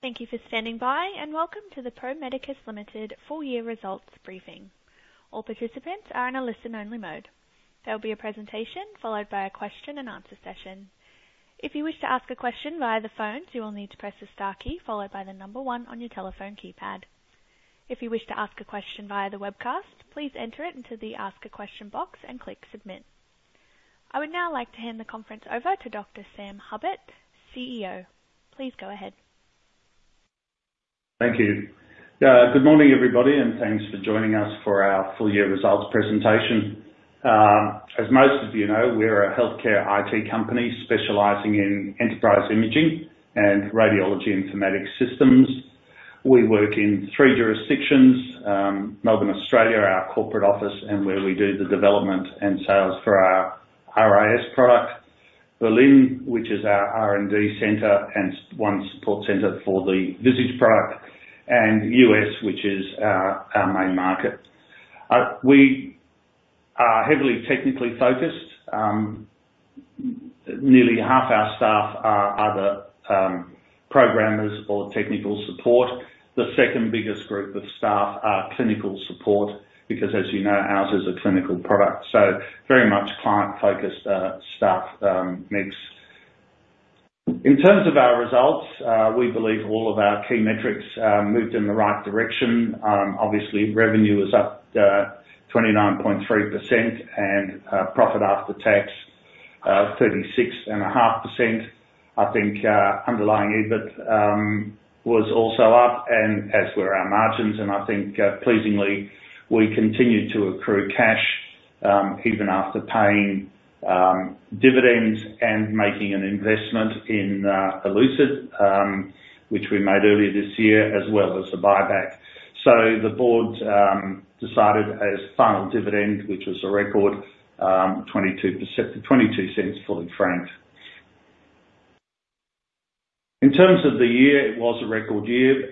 Thank you for standing by, and welcome to the Pro Medicus Limited full year results briefing. All participants are in a listen-only mode. There will be a presentation followed by a question and answer session. If you wish to ask a question via the phone, you will need to press the star key followed by the number one on your telephone keypad. If you wish to ask a question via the webcast, please enter it into the Ask a Question box and click Submit. I would now like to hand the conference over to Dr. Sam Hupert, CEO. Please go ahead. Thank you. Good morning, everybody, and thanks for joining us for our full year results presentation. As most of you know, we're a healthcare IT company specializing in enterprise imaging and radiology informatics systems. We work in three jurisdictions, Melbourne, Australia, our corporate office, and where we do the development and sales for our RIS product. Berlin, which is our R&D center and support center for the Visage product, and U.S., which is our main market. We are heavily technically focused. Nearly half our staff are either programmers or technical support. The second biggest group of staff are clinical support, because as you know, ours is a clinical product, so very much client-focused staff mix. In terms of our results, we believe all of our key metrics moved in the right direction. Obviously, revenue was up 29.3% and profit after tax 36.5%. I think underlying EBIT was also up, and as were our margins, and I think pleasingly, we continued to accrue cash even after paying dividends and making an investment in Elucid, which we made earlier this year, as well as a buyback. So the board decided as final dividend, which was a record 0.22 fully franked. In terms of the year, it was a record year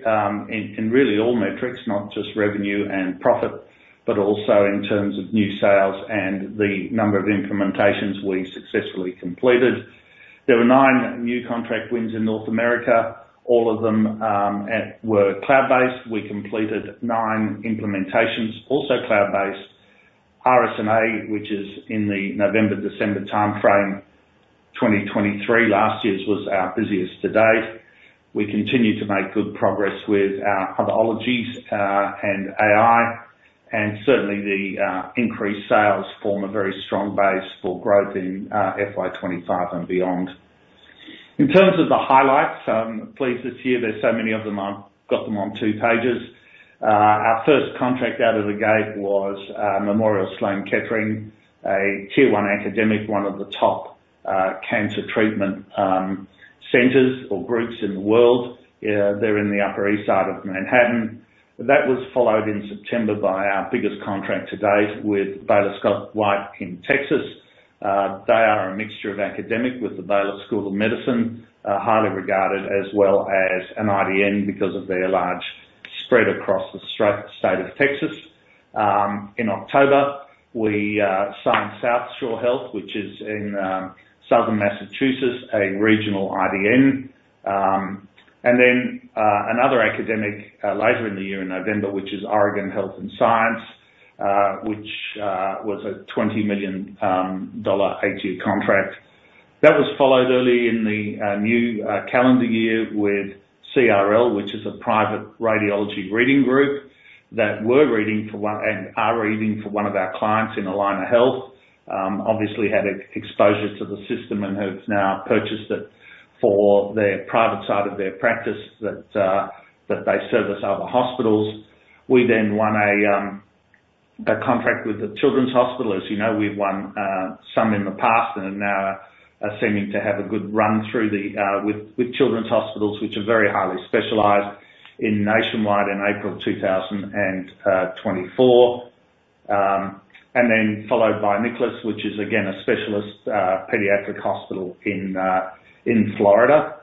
in really all metrics, not just revenue and profit, but also in terms of new sales and the number of implementations we successfully completed. There were 9 new contract wins in North America, all of them were cloud-based. We completed 9 implementations, also cloud-based. RSNA, which is in the November-December timeframe, 2023, last year's was our busiest to date. We continued to make good progress with our other ologies and AI, and certainly the increased sales form a very strong base for growth in FY 25 and beyond. In terms of the highlights, I'm pleased this year, there's so many of them, I've got them on two pages. Our first contract out of the gate was Memorial Sloan Kettering, a Tier One academic, one of the top cancer treatment centers or groups in the world. They're in the Upper East Side of Manhattan. That was followed in September by our biggest contract to date with Baylor Scott & White in Texas. They are a mixture of academic with the Baylor College of Medicine, highly regarded as well as an IDN because of their large spread across the state of Texas. In October, we signed South Shore Health, which is in Southern Massachusetts, a regional IDN. And then another academic later in the year, in November, which is Oregon Health & Science, which was a $20 million eight-year contract. That was followed early in the new calendar year with CRL, which is a private radiology reading group, that were reading for one and are reading for one of our clients in Allina Health. Obviously had exposure to the system and has now purchased it for their private side of their practice, that they service other hospitals. We then won a contract with the Children's Hospital. As you know, we've won some in the past, and now are seeming to have a good run through the with children's hospitals, which are very highly specialized in Nationwide in April 2024. And then followed by Nicklaus, which is again a specialist pediatric hospital in Florida,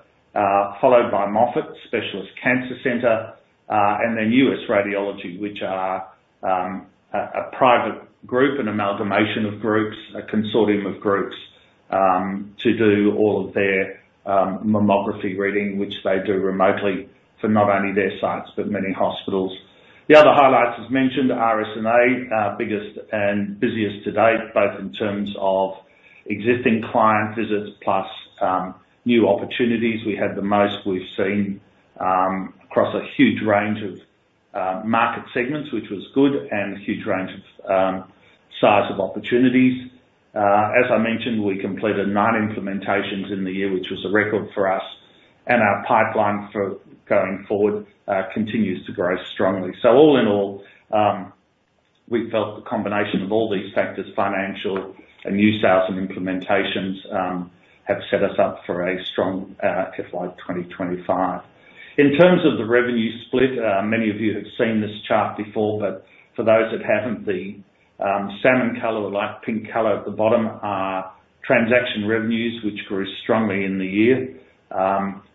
followed by Moffitt, specialist cancer center, and then US Radiology, which are a private group, an amalgamation of groups, a consortium of groups, to do all of their mammography reading, which they do remotely for not only their sites, but many hospitals. The other highlights, as mentioned, RSNA, our biggest and busiest to date, both in terms of existing client visits plus new opportunities. We had the most we've seen, across a huge range of market segments, which was good, and a huge range of size of opportunities. As I mentioned, we completed nine implementations in the year, which was a record for us, and our pipeline for going forward continues to grow strongly. So all in all, we felt the combination of all these factors, financial and new sales and implementations, have set us up for a strong FY 2025. In terms of the revenue split, many of you have seen this chart before, but for those that haven't, the salmon color or light pink color at the bottom are transaction revenues, which grew strongly in the year.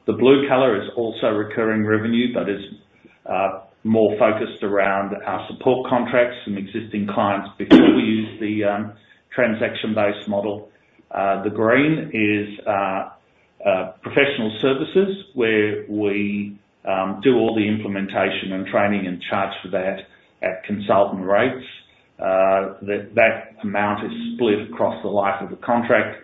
The blue color is also recurring revenue, but is-... More focused around our support contracts and existing clients before we use the transaction-based model. The green is professional services, where we do all the implementation and training and charge for that at consultant rates. That amount is split across the life of the contract.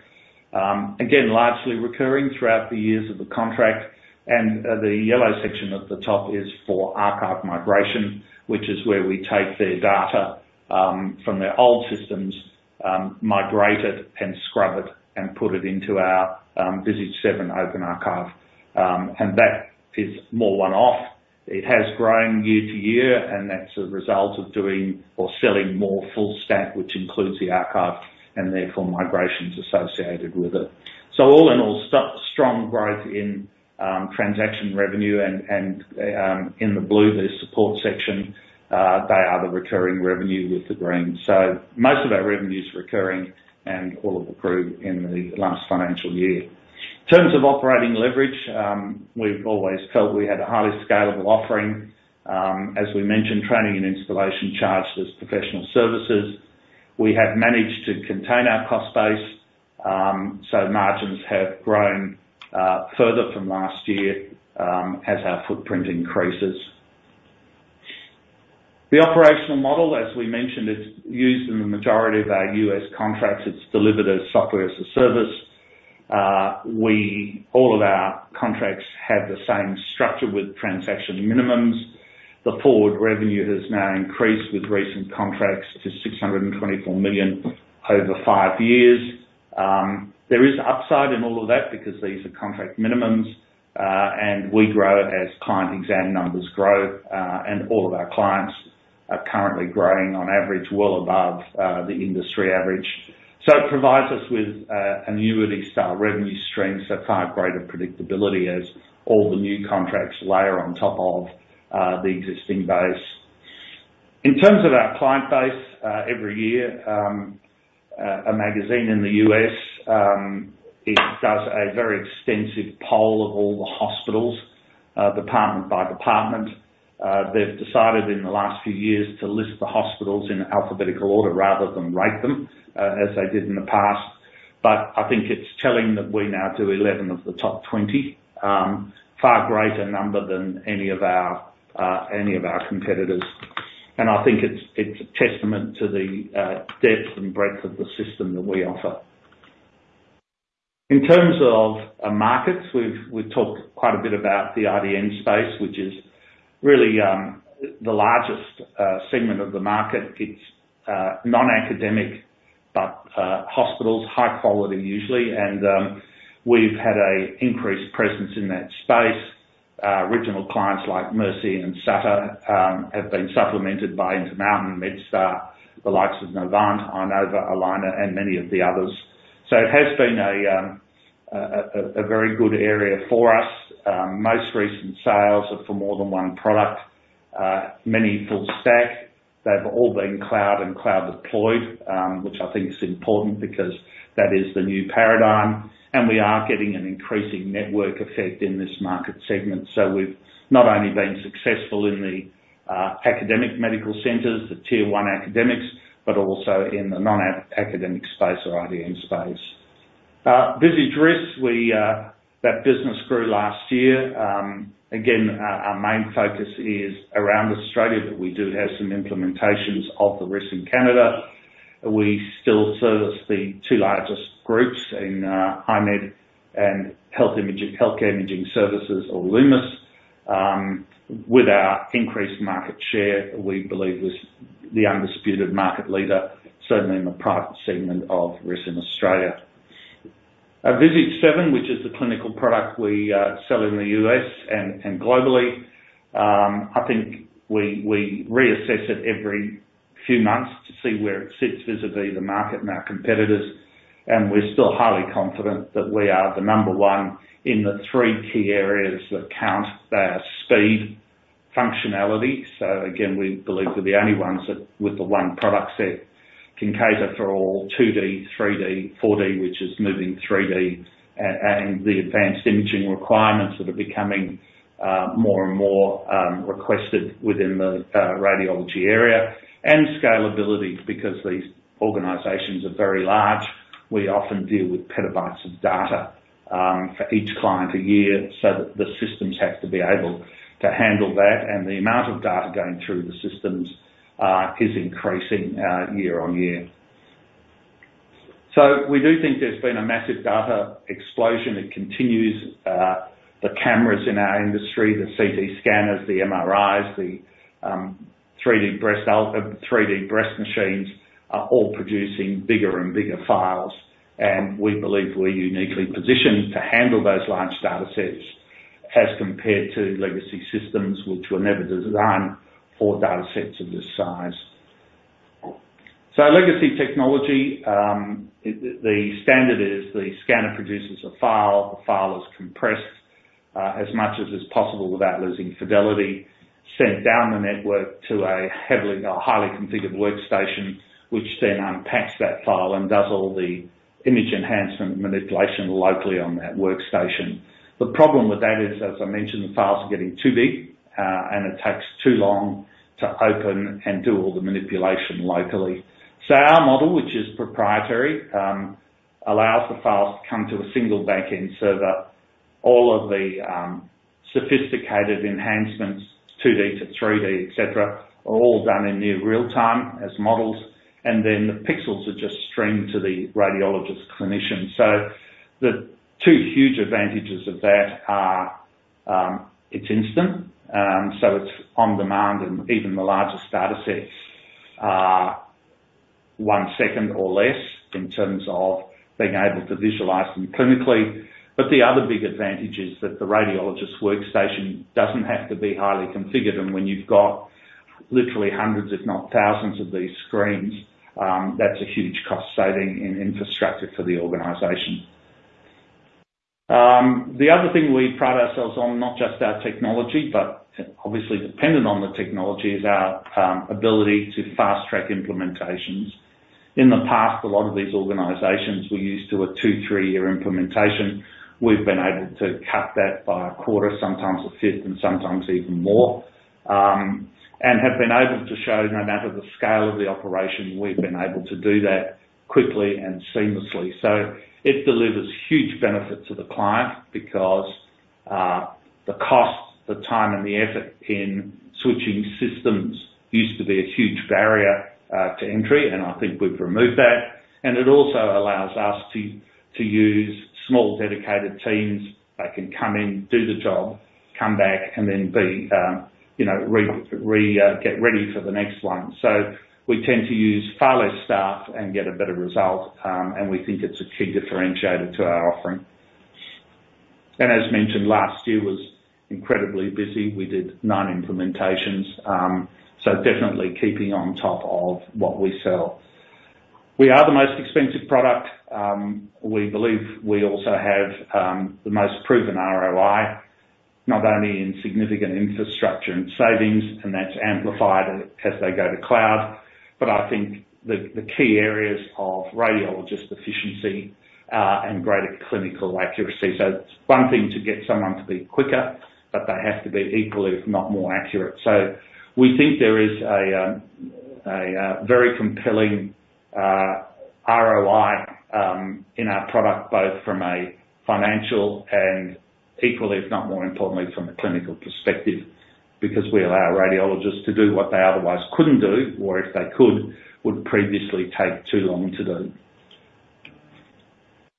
Again, largely recurring throughout the years of the contract, and the yellow section at the top is for archive migration, which is where we take their data from their old systems, migrate it, and scrub it, and put it into our Visage 7 Open Archive. And that is more one-off. It has grown year to year, and that's a result of doing or selling more Full Stack, which includes the archive and therefore migrations associated with it. Strong growth in transaction revenue, and in the blue, the support section, they are the recurring revenue with the green. So most of our revenue is recurring and all of it accrued in the last financial year. In terms of operating leverage, we've always felt we had a highly scalable offering. As we mentioned, training and installation charged as professional services. We have managed to contain our cost base, so margins have grown further from last year, as our footprint increases. The operational model, as we mentioned, is used in the majority of our U.S. contracts. It's delivered as software as a service. All of our contracts have the same structure with transaction minimums. The forward revenue has now increased with recent contracts to 624 million over five years. There is upside in all of that because these are contract minimums, and we grow as client exam numbers grow, and all of our clients are currently growing on average, well above, the industry average. So it provides us with, annuity-style revenue streams, so far greater predictability as all the new contracts layer on top of, the existing base. In terms of our client base, every year, a magazine in the U.S., it does a very extensive poll of all the hospitals, department by department. They've decided in the last few years to list the hospitals in alphabetical order rather than rate them, as they did in the past. But I think it's telling that we now do 11 of the top 20, far greater number than any of our, any of our competitors. I think it's a testament to the depth and breadth of the system that we offer. In terms of our markets, we've talked quite a bit about the IDN space, which is really the largest segment of the market. It's non-academic, but hospitals, high quality usually, and we've had an increased presence in that space. Original clients like Mercy and Sutter have been supplemented by Intermountain, MedStar, the likes of Novant, Inova, Allina, and many of the others. So it has been a very good area for us. Most recent sales are for more than one product, many Full Stack. They've all been cloud and cloud-deployed, which I think is important because that is the new paradigm, and we are getting an increasing network effect in this market segment. So we've not only been successful in the academic medical centers, the Tier One academics, but also in the non-academic space or IDN space. Visage RIS, that business grew last year. Again, our main focus is around Australia, but we do have some implementations of the RIS in Canada. We still service the two largest groups in I-MED and Healthcare Imaging Services or Lumus. With our increased market share, we believe was the undisputed market leader, certainly in the private segment of RIS in Australia. Our Visage 7, which is the clinical product we sell in the U.S. and globally, I think we reassess it every few months to see where it sits vis-a-vis the market and our competitors, and we're still highly confident that we are the number one in the three key areas that count. They are speed, functionality, so again, we believe we're the only ones that with the one product set can cater for all 2D, 3D, 4D, which is moving 3D, and the advanced imaging requirements that are becoming more and more requested within the radiology area, and scalability, because these organizations are very large. We often deal with petabytes of data, for each client a year, so the systems have to be able to handle that, and the amount of data going through the systems, is increasing, year on year. So we do think there's been a massive data explosion that continues, the cameras in our industry, the CT scanners, the MRIs, the, 3D breast machines are all producing bigger and bigger files, and we believe we're uniquely positioned to handle those large data sets as compared to legacy systems, which were never designed for data sets of this size. So legacy technology, the standard is the scanner produces a file, the file is compressed as much as is possible without losing fidelity, sent down the network to a heavily highly configured workstation, which then unpacks that file and does all the image enhancement manipulation locally on that workstation. The problem with that is, as I mentioned, the files are getting too big, and it takes too long to open and do all the manipulation locally... So our model, which is proprietary, allows the files to come to a single back-end server. All of the sophisticated enhancements, 2D to 3D, et cetera, are all done in near real time as models, and then the pixels are just streamed to the radiologist clinician. The two huge advantages of that are, it's instant, so it's on demand, and even the largest data sets are 1 second or less in terms of being able to visualize them clinically. But the other big advantage is that the radiologist's workstation doesn't have to be highly configured, and when you've got literally hundreds, if not thousands of these screens, that's a huge cost saving in infrastructure for the organization. The other thing we pride ourselves on, not just our technology, but obviously dependent on the technology, is our ability to fast-track implementations. In the past, a lot of these organizations were used to a 2-3-year implementation. We've been able to cut that by a quarter, sometimes a fifth, and sometimes even more, and have been able to show no matter the scale of the operation, we've been able to do that quickly and seamlessly. So it delivers huge benefit to the client because the cost, the time, and the effort in switching systems used to be a huge barrier to entry, and I think we've removed that. And it also allows us to use small, dedicated teams that can come in, do the job, come back, and then be, you know, get ready for the next one. So we tend to use far less staff and get a better result, and we think it's a key differentiator to our offering. And as mentioned, last year was incredibly busy. We did nine implementations, so definitely keeping on top of what we sell. We are the most expensive product. We believe we also have the most proven ROI, not only in significant infrastructure and savings, and that's amplified as they go to cloud, but I think the key areas of radiologist efficiency and greater clinical accuracy. So it's one thing to get someone to be quicker, but they have to be equally, if not more accurate. So we think there is a very compelling ROI in our product, both from a financial and equally, if not more importantly, from a clinical perspective, because we allow radiologists to do what they otherwise couldn't do, or if they could, would previously take too long to do.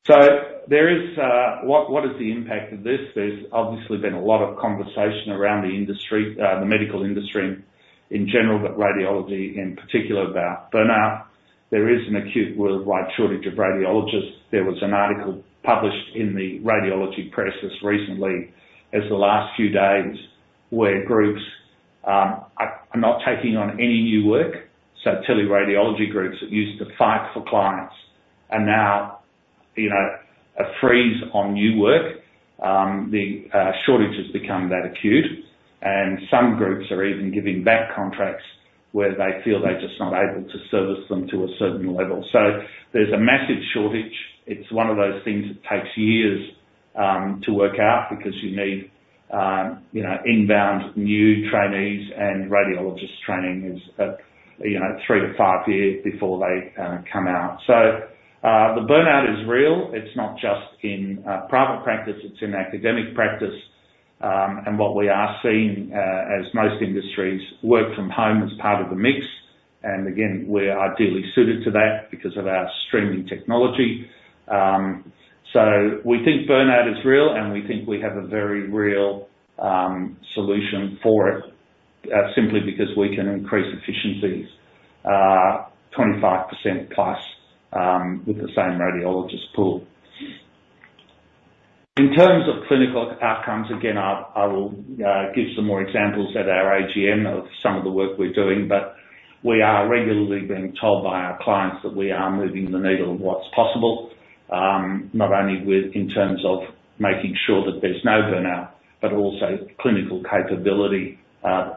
So there is... What is the impact of this? There's obviously been a lot of conversation around the industry, the medical industry in general, but radiology in particular, about burnout. There is an acute worldwide shortage of radiologists. There was an article published in the radiology press as recently as the last few days, where groups are not taking on any new work. So teleradiology groups that used to fight for clients are now, you know, a freeze on new work. The shortage has become that acute, and some groups are even giving back contracts where they feel they're just not able to service them to a certain level. So there's a massive shortage. It's one of those things that takes years to work out because you need you know, inbound new trainees and radiologists training is you know, 3-5 years before they come out. So, the burnout is real. It's not just in private practice, it's in academic practice. And what we are seeing, as most industries, work from home as part of the mix, and again, we're ideally suited to that because of our streaming technology. So we think burnout is real, and we think we have a very real solution for it, simply because we can increase efficiencies 25% plus with the same radiologist pool. In terms of clinical outcomes, again, I will give some more examples at our AGM of some of the work we're doing, but we are regularly being told by our clients that we are moving the needle of what's possible, not only with, in terms of making sure that there's no burnout, but also clinical capability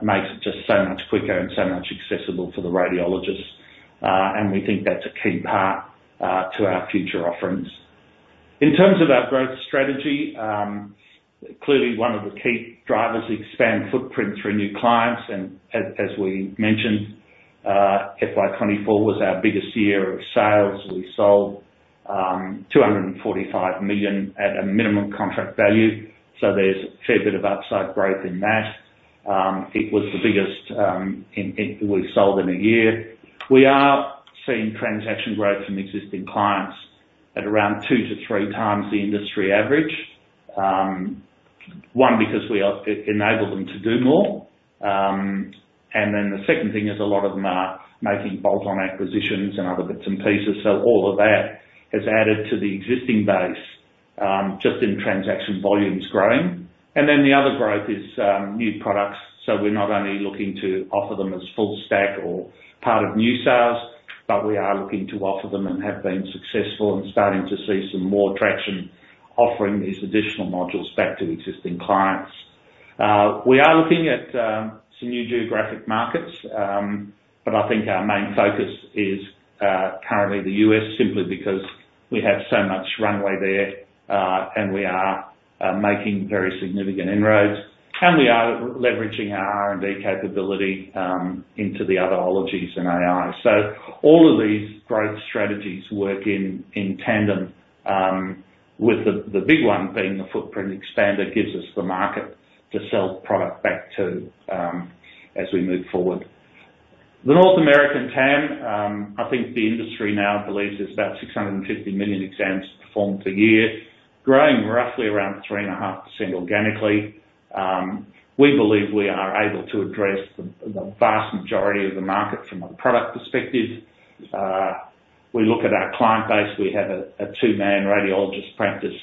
makes it just so much quicker and so much accessible for the radiologists. And we think that's a key part to our future offerings. In terms of our growth strategy, clearly one of the key drivers, expand footprint through new clients, and as we mentioned, FY 2024 was our biggest year of sales. We sold 245 million at a minimum contract value, so there's a fair bit of upside growth in that. It was the biggest we've sold in a year. We are seeing transaction growth from existing clients at around 2-3 times the industry average. One, because we are, it enabled them to do more, and then the second thing is a lot of them are making bolt-on acquisitions and other bits and pieces. So all of that has added to the existing base, just in transaction volumes growing. And then the other growth is, new products, so we're not only looking to offer them as full stack or part of new sales, but we are looking to offer them and have been successful and starting to see some more traction, offering these additional modules back to existing clients.... We are looking at some new geographic markets, but I think our main focus is currently the U.S., simply because we have so much runway there, and we are making very significant inroads, and we are leveraging our R&D capability into the other ologies and AI. So all of these growth strategies work in tandem with the big one being the footprint expander, gives us the market to sell product back to as we move forward. The North American TAM, I think the industry now believes it's about 650 million exams performed per year, growing roughly around 3.5% organically. We believe we are able to address the vast majority of the market from a product perspective. We look at our client base, we have a two-man radiologist practice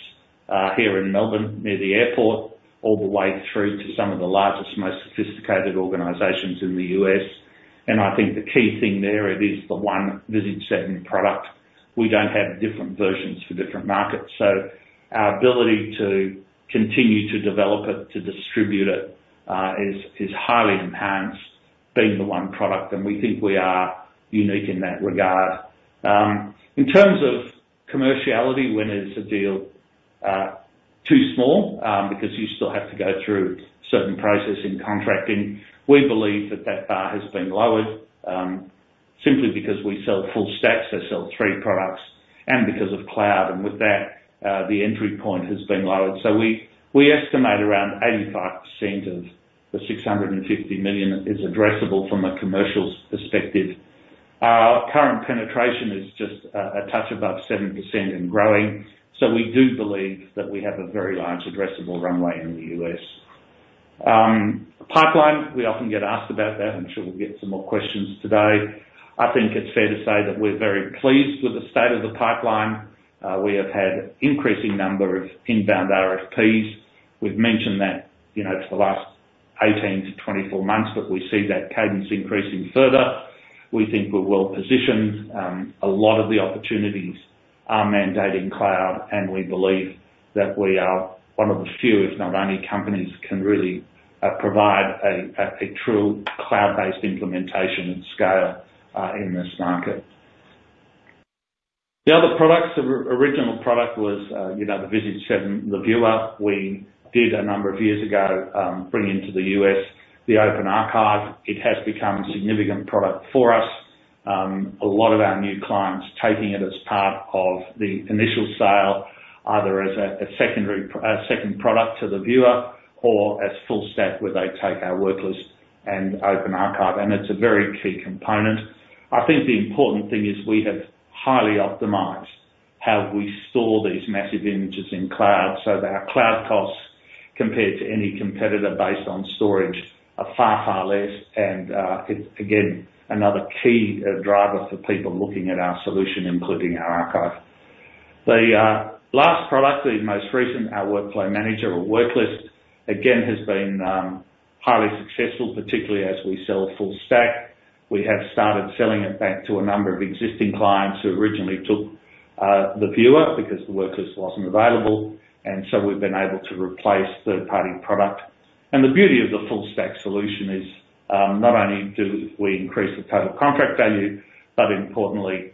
here in Melbourne, near the airport, all the way through to some of the largest, most sophisticated organizations in the U.S., and I think the key thing there, it is the one Visage 7 product. We don't have different versions for different markets, so our ability to continue to develop it, to distribute it, is highly enhanced, being the one product, and we think we are unique in that regard. In terms of commerciality, when is a deal too small? Because you still have to go through certain processes in contracting. We believe that that bar has been lowered, simply because we sell full stacks, so sell three products, and because of cloud, and with that, the entry point has been lowered. So we, we estimate around 85% of the $650 million is addressable from a commercials perspective. Our current penetration is just a touch above 7% and growing, so we do believe that we have a very large addressable runway in the US. Pipeline, we often get asked about that. I'm sure we'll get some more questions today. I think it's fair to say that we're very pleased with the state of the pipeline. We have had increasing number of inbound RFPs. We've mentioned that, you know, it's the last 18-24 months, but we see that cadence increasing further. We think we're well positioned. A lot of the opportunities are mandating cloud, and we believe that we are one of the few, if not only, companies can really provide a true cloud-based implementation and scale in this market. The other products, the original product was, you know, the Visage 7, the viewer. We did a number of years ago bring into the U.S. the Open Archive. It has become a significant product for us. A lot of our new clients taking it as part of the initial sale, either as a secondary second product to the viewer or as full stack, where they take our worklist and Open Archive, and it's a very key component. I think the important thing is we have highly optimized how we store these massive images in cloud, so that our cloud costs, compared to any competitor based on storage, are far, far less, and it's again, another key driver for people looking at our solution, including our archive. The last product, the most recent, our workflow manager or worklist, again, has been highly successful, particularly as we sell Full Stack. We have started selling it back to a number of existing clients who originally took the viewer because the worklist wasn't available, and so we've been able to replace third-party product. And the beauty of the full-stack solution is, not only do we increase the total contract value, but importantly,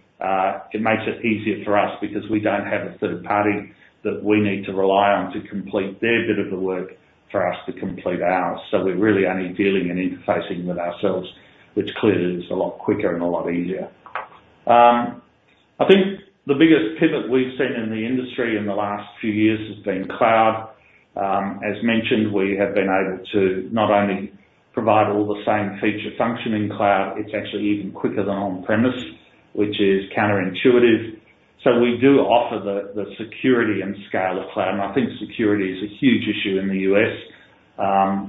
it makes it easier for us because we don't have a third party that we need to rely on to complete their bit of the work for us to complete ours. So we're really only dealing and interfacing with ourselves, which clearly is a lot quicker and a lot easier. I think the biggest pivot we've seen in the industry in the last few years has been cloud. As mentioned, we have been able to not only provide all the same feature functioning cloud, it's actually even quicker than on-premise, which is counterintuitive. So we do offer the security and scale of cloud, and I think security is a huge issue in the U.S.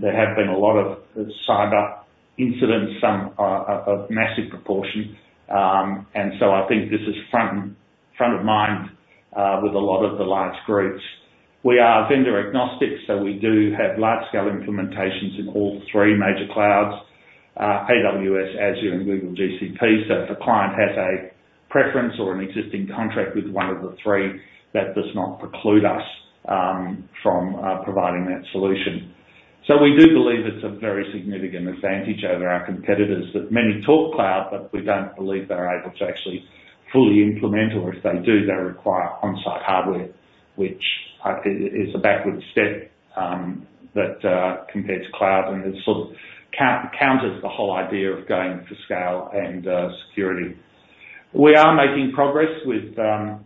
There have been a lot of cyber incidents, some are of massive proportion, and so I think this is front of mind with a lot of the large groups. We are vendor agnostic, so we do have large-scale implementations in all three major clouds, AWS, Azure, and Google GCP. So if a client has a preference or an existing contract with one of the three, that does not preclude us from providing that solution. So we do believe it's a very significant advantage over our competitors, that many talk cloud, but we don't believe they're able to actually fully implement, or if they do, they require on-site hardware, which I think is a backward step that compares cloud and it sort of counters the whole idea of going for scale and security. We are making progress with our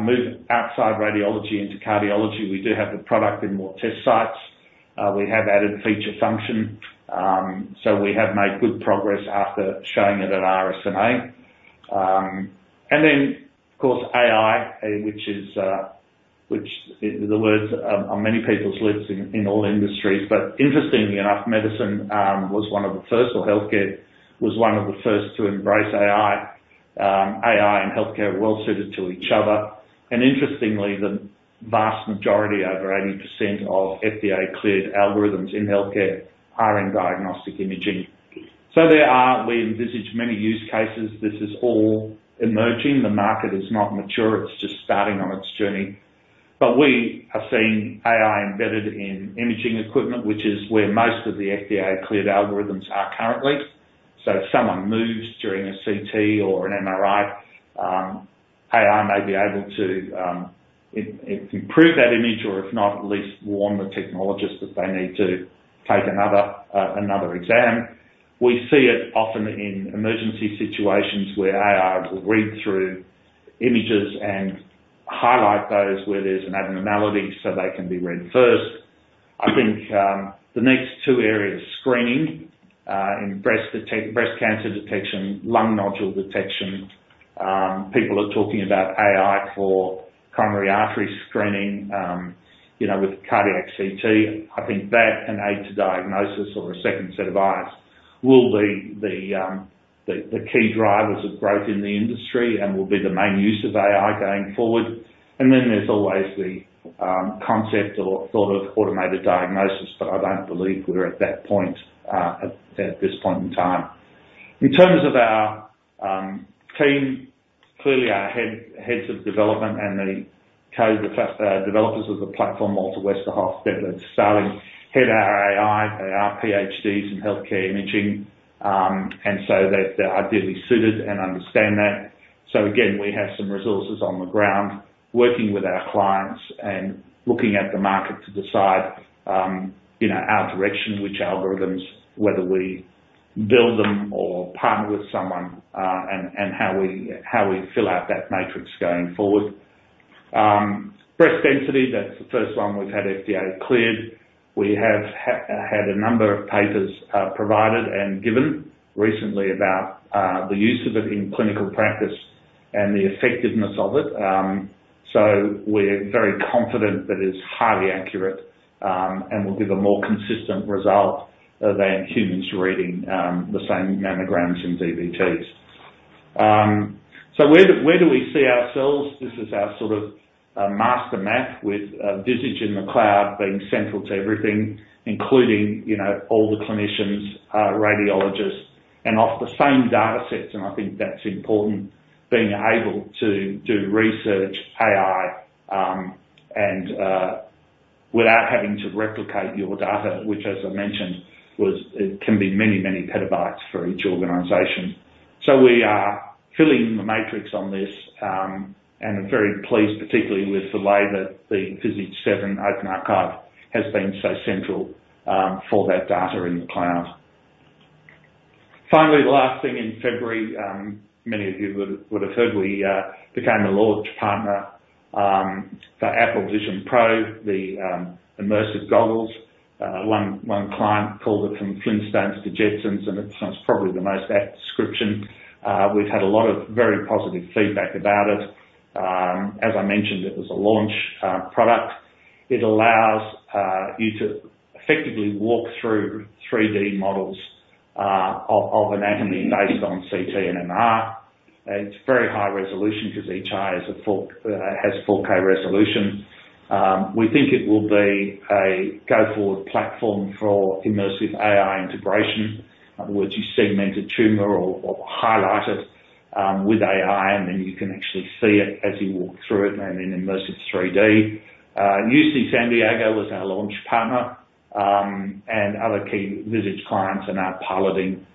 move outside radiology into cardiology. We do have the product in more test sites. We have added feature function, so we have made good progress after showing it at RSNA. And then, of course, AI, which is the words on many people's lips in all industries, but interestingly enough, medicine was one of the first, or healthcare was one of the first to embrace AI. AI and healthcare are well suited to each other, and interestingly, the vast majority, over 80% of FDA-cleared algorithms in healthcare, are in diagnostic imaging. So there are, we envisage many use cases. This is all emerging. The market is not mature, it's just starting on its journey. But we have seen AI embedded in imaging equipment, which is where most of the FDA-cleared algorithms are currently. So if someone moves during a CT or an MRI, AI may be able to improve that image, or if not, at least warn the technologist that they need to take another exam. We see it often in emergency situations, where AI will read through images and highlight those where there's an abnormality, so they can be read first. I think the next two areas, screening in breast cancer detection, lung nodule detection, people are talking about AI for coronary artery screening, you know, with cardiac CT. I think that an aid to diagnosis or a second set of eyes will be the key drivers of growth in the industry and will be the main use of AI going forward. Then there's always the concept or thought of automated diagnosis, but I don't believe we're at that point at this point in time. In terms of our team, clearly our heads of development and the co-developers of the platform, Malte Westerhoff, Detlev Stalling, head our AI. They are Ph.D.s in healthcare imaging, and so they're ideally suited and understand that. So again, we have some resources on the ground, working with our clients and looking at the market to decide you know, our direction, which algorithms, whether we build them or partner with someone, and how we fill out that matrix going forward. Breast density, that's the first one we've had FDA cleared. We have had a number of papers provided and given recently about the use of it in clinical practice and the effectiveness of it. So we're very confident that it's highly accurate and will give a more consistent result than humans reading the same mammograms and DBTs. So where do we see ourselves? This is our sort of master map, with Visage in the cloud being central to everything, including, you know, all the clinicians, radiologists, and off the same data sets, and I think that's important, being able to do research, AI, and without having to replicate your data, which, as I mentioned, it can be many, many petabytes for each organization. So we are filling the matrix on this, and are very pleased, particularly with the way that the Visage 7 Open Archive has been so central, for that data in the cloud. Finally, the last thing in February, many of you would have heard, we became a launch partner, for Apple Vision Pro, the immersive goggles. One client called it from Flintstones to Jetsons, and it's probably the most apt description. We've had a lot of very positive feedback about it. As I mentioned, it was a launch product. It allows you to effectively walk through 3D models, of anatomy based on CT and MR. It's very high resolution because each eye is a full, has 4K resolution. We think it will be a go-forward platform for immersive AI integration. In other words, you segment a tumor or highlight it with AI, and then you can actually see it as you walk through it and in immersive 3D. UC San Diego was our launch partner, and other key Visage clients are now piloting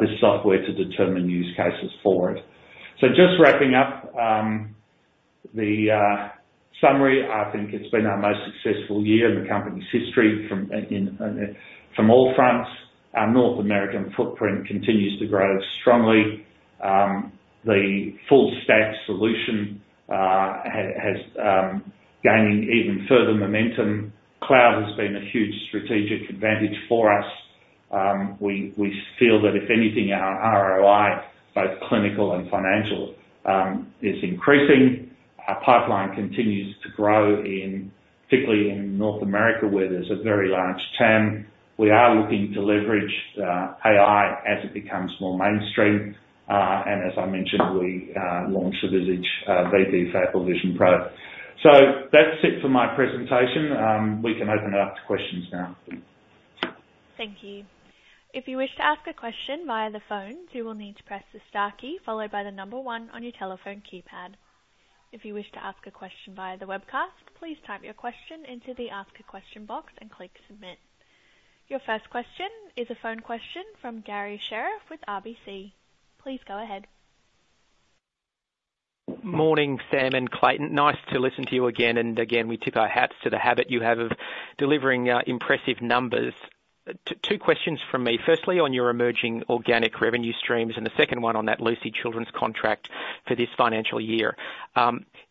this software to determine use cases for it. So just wrapping up the summary, I think it's been our most successful year in the company's history from all fronts. Our North American footprint continues to grow strongly. The full stack solution has gaining even further momentum. Cloud has been a huge strategic advantage for us. We feel that if anything, our ROI, both clinical and financial, is increasing. Our pipeline continues to grow, particularly in North America, where there's a very large TAM. We are looking to leverage AI as it becomes more mainstream. As I mentioned, we launched the Visage VP for Apple Vision Pro. So that's it for my presentation. We can open it up to questions now. Thank you. If you wish to ask a question via the phone, you will need to press the star key, followed by the number one on your telephone keypad. If you wish to ask a question via the webcast, please type your question into the Ask a Question box and click Submit. Your first question is a phone question from Garry Sherriff with RBC. Please go ahead. Morning, Sam and Clayton. Nice to listen to you again, and again, we tip our hats to the habit you have of delivering impressive numbers. Two questions from me. Firstly, on your emerging organic revenue streams, and the second one on that Lurie Children's contract for this financial year.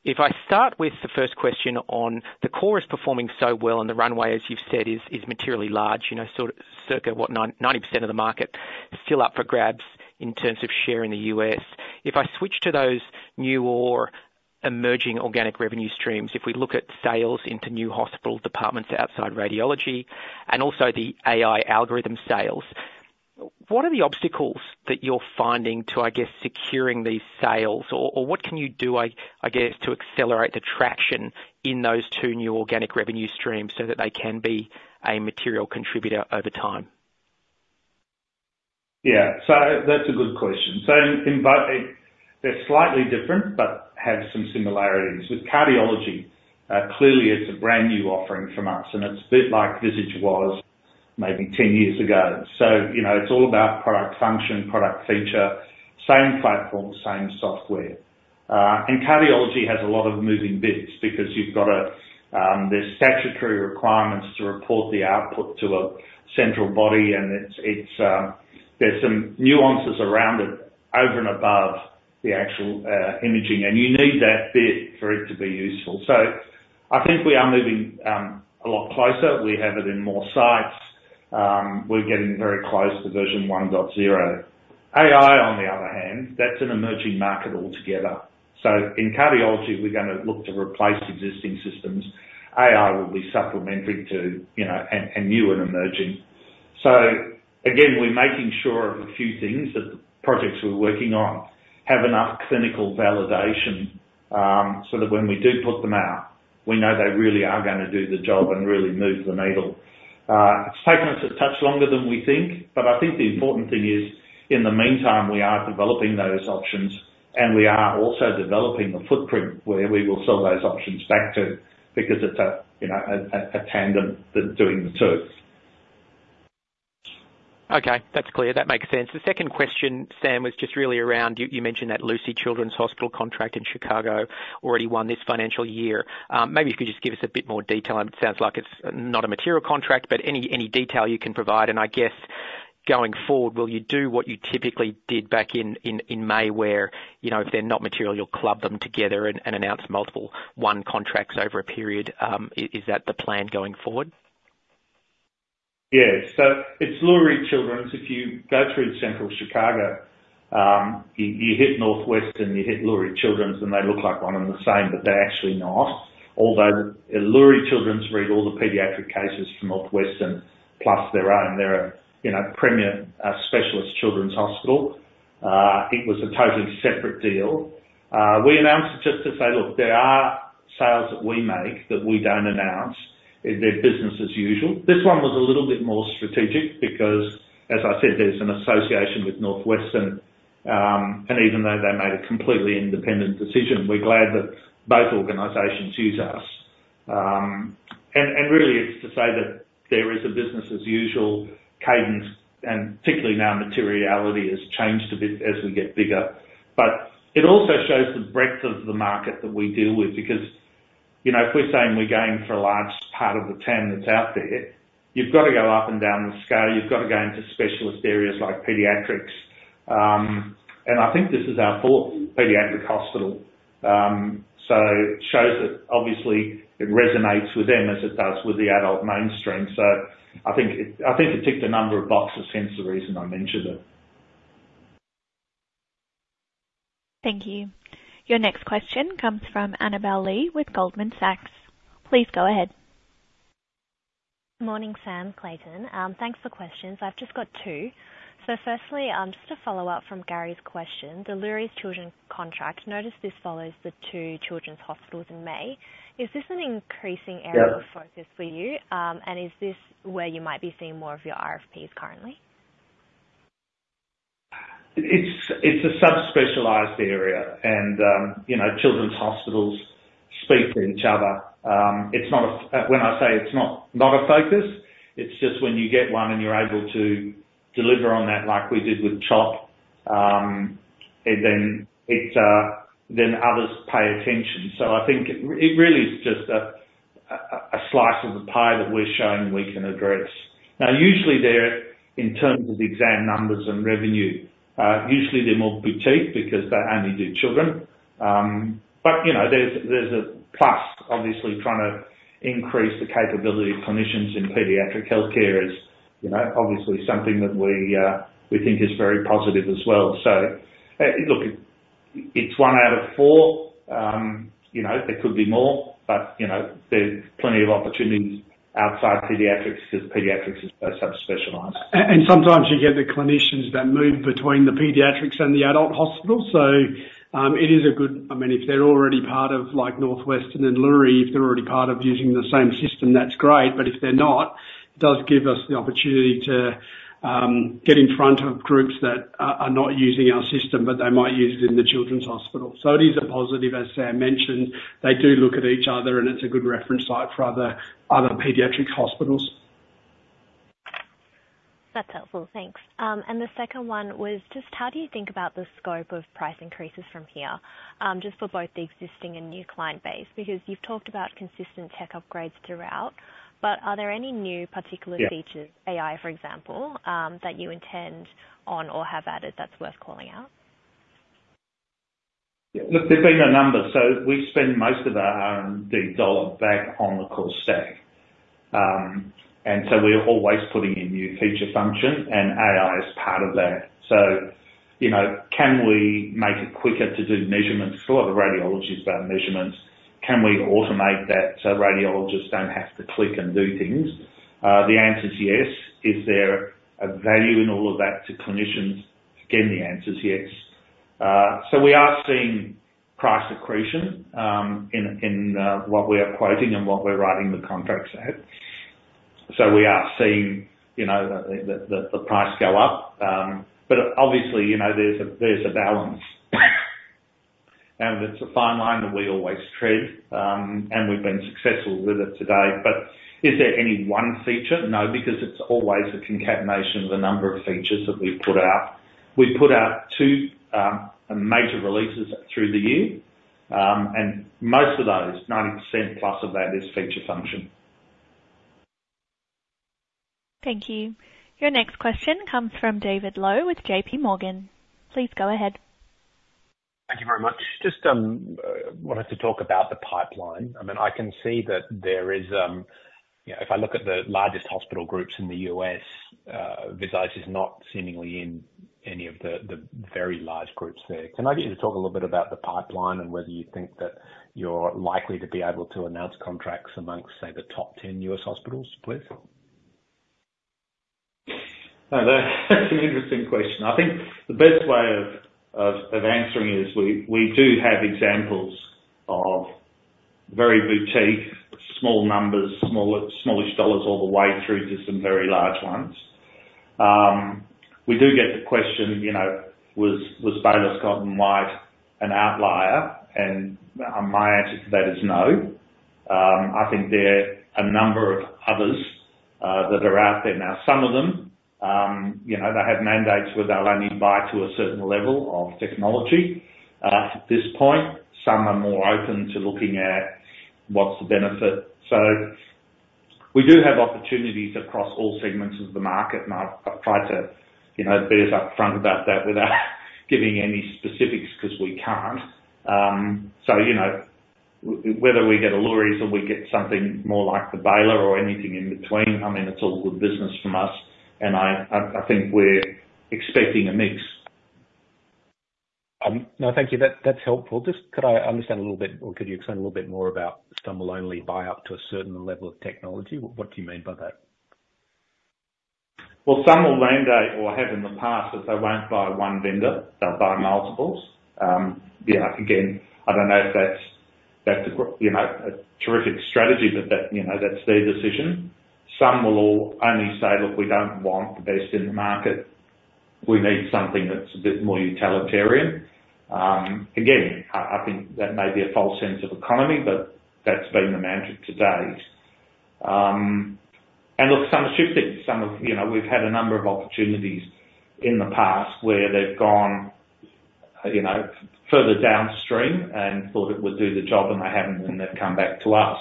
If I start with the first question on the core is performing so well, and the runway, as you've said, is materially large, you know, sort of circa 90% of the market is still up for grabs in terms of share in the U.S. If I switch to those new or emerging organic revenue streams, if we look at sales into new hospital departments outside radiology and also the AI algorithm sales, what are the obstacles that you're finding to, I guess, securing these sales? What can you do, I guess, to accelerate the traction in those two new organic revenue streams so that they can be a material contributor over time? ... Yeah, so that's a good question. So in both, they're slightly different, but have some similarities. With cardiology, clearly, it's a brand new offering from us, and it's a bit like Visage was maybe 10 years ago. So, you know, it's all about product function, product feature, same platform, same software. And cardiology has a lot of moving bits because you've got a, there's statutory requirements to report the output to a central body, and it's, it's, there's some nuances around it, over and above the actual imaging, and you need that bit for it to be useful. So I think we are moving a lot closer. We have it in more sites. We're getting very close to version 1.0. AI, on the other hand, that's an emerging market altogether. So in cardiology, we're gonna look to replace existing systems. AI will be supplementary to, you know, and new and emerging. So again, we're making sure of a few things that the projects we're working on have enough clinical validation, so that when we do put them out, we know they really are gonna do the job and really move the needle. It's taken us a touch longer than we think, but I think the important thing is, in the meantime, we are developing those options, and we are also developing the footprint where we will sell those options back to, because it's a, you know, a tandem that's doing the two. Okay, that's clear. That makes sense. The second question, Sam, was just really around you, you mentioned that Lurie Children's Hospital contract in Chicago, already won this financial year. Maybe you could just give us a bit more detail. It sounds like it's not a material contract, but any, any detail you can provide, and I guess, going forward, will you do what you typically did back in May, where, you know, if they're not material, you'll club them together and, and announce multiple won contracts over a period. Is that the plan going forward? Yeah. So it's Lurie Children's. If you go through central Chicago, you hit Northwestern, you hit Lurie Children's, and they look like one and the same, but they're actually not. Although Lurie Children's read all the pediatric cases from Northwestern, plus their own. They're a, you know, premier specialist children's hospital. It was a totally separate deal. We announced it just to say, look, there are sales that we make that we don't announce. They're business as usual. This one was a little bit more strategic because, as I said, there's an association with Northwestern, and even though they made a completely independent decision, we're glad that both organizations use us. And really, it's to say that there is a business as usual cadence, and particularly now, materiality has changed a bit as we get bigger. It also shows the breadth of the market that we deal with, because, you know, if we're saying we're going for a large part of the 10 that's out there, you've got to go up and down the scale. You've got to go into specialist areas like pediatrics. I think this is our fourth pediatric hospital. It shows that obviously it resonates with them as it does with the adult mainstream. I think it, I think it ticked a number of boxes, hence the reason I mentioned it. Thank you. Your next question comes from Annabel Lee with Goldman Sachs. Please go ahead. Morning, Sam, Clayton. Thanks for questions. I've just got 2. So firstly, just to follow up from Garry's question, the Lurie Children's contract, noticed this follows the 2 children's hospitals in May. Is this an increasing area- Yeah. -of focus for you? Is this where you might be seeing more of your RFPs currently? It's, it's a sub-specialized area, and, you know, children's hospitals speak to each other. It's not a-- When I say it's not, not a focus, it's just when you get one and you're able to deliver on that like we did with CHOP, and then it's, then others pay attention. So I think it, it really is just a, a, a, slice of the pie that we're showing we can address. Now, usually, they're in terms of exam numbers and revenue. Usually, they're more boutique because they only do children. But, you know, there's, there's a plus, obviously, trying to increase the capability of clinicians in pediatric healthcare is, you know, obviously something that we, we think is very positive as well. So, look, it's one out of four. You know, there could be more, but, you know, there's plenty of opportunities outside pediatrics, because pediatrics is a sub-specialized. And sometimes you get the clinicians that move between the pediatrics and the adult hospital, so, it is a good... I mean, if they're already part of, like, Northwestern and Lurie, if they're already part of using the same system, that's great. But if they're not, it does give us the opportunity to, get in front of groups that are not using our system, but they might use it in the children's hospital. So it is a positive, as Sam mentioned, they do look at each other, and it's a good reference site for other pediatric hospitals. That's helpful. Thanks. And the second one was just: How do you think about the scope of price increases from here, just for both the existing and new client base? Because you've talked about consistent tech upgrades throughout, but are there any new particular features- Yeah. AI, for example, that you intend on or have added that's worth calling out? Yeah, look, there's been a number. So we spend most of our R&D dollar back on the core stack. And so we are always putting in new feature function, and AI is part of that. So, you know, can we make it quicker to do measurements? A lot of the radiology is about measurements. Can we automate that so radiologists don't have to click and do things? The answer is yes. Is there a value in all of that to clinicians? Again, the answer is yes. So we are seeing price accretion, in what we are quoting and what we're writing the contracts at. So we are seeing, you know, the price go up. But obviously, you know, there's a balance. And it's a fine line that we always tread, and we've been successful with it today. But is there any one feature? No, because it's always a concatenation of the number of features that we've put out. We've put out two major releases through the year, and most of those, 90%+ of that, is feature function. Thank you. Your next question comes from David Low with J.P. Morgan. Please go ahead. Thank you very much. Just wanted to talk about the pipeline. I mean, I can see that there is, you know, if I look at the largest hospital groups in the U.S., Visage is not seemingly in any of the, the very large groups there. Can I get you to talk a little bit about the pipeline and whether you think that you're likely to be able to announce contracts amongst, say, the top 10 U.S. hospitals, please? Oh, that's an interesting question. I think the best way of answering is we do have examples of very boutique, small numbers, smallish dollars all the way through to some very large ones. We do get the question, you know, "Was Baylor Scott & White an outlier?" And my answer to that is no. I think there are a number of others that are out there. Now, some of them, you know, they have mandates where they'll only buy to a certain level of technology at this point. Some are more open to looking at what's the benefit. So we do have opportunities across all segments of the market, and I've tried to, you know, be as upfront about that without giving any specifics, 'cause we can't. So, you know, whether we get a Lurie or we get something more like the Baylor or anything in between, I mean, it's all good business from us, and I think we're expecting a mix. No, thank you. That's helpful. Just, could I understand a little bit, or could you explain a little bit more about some will only buy up to a certain level of technology? What do you mean by that? Well, some will mandate, or have in the past, that they won't buy one vendor, they'll buy multiples. Yeah, again, I don't know if that's a great you know, a terrific strategy, but that, you know, that's their decision. Some will only say, "Look, we don't want the best in the market. We need something that's a bit more utilitarian." Again, I think that may be a false sense of economy, but that's been the mantra to date. And look, some are shifting. Some you know, we've had a number of opportunities in the past where they've gone, you know, further downstream and thought it would do the job, and they haven't, and they've come back to us.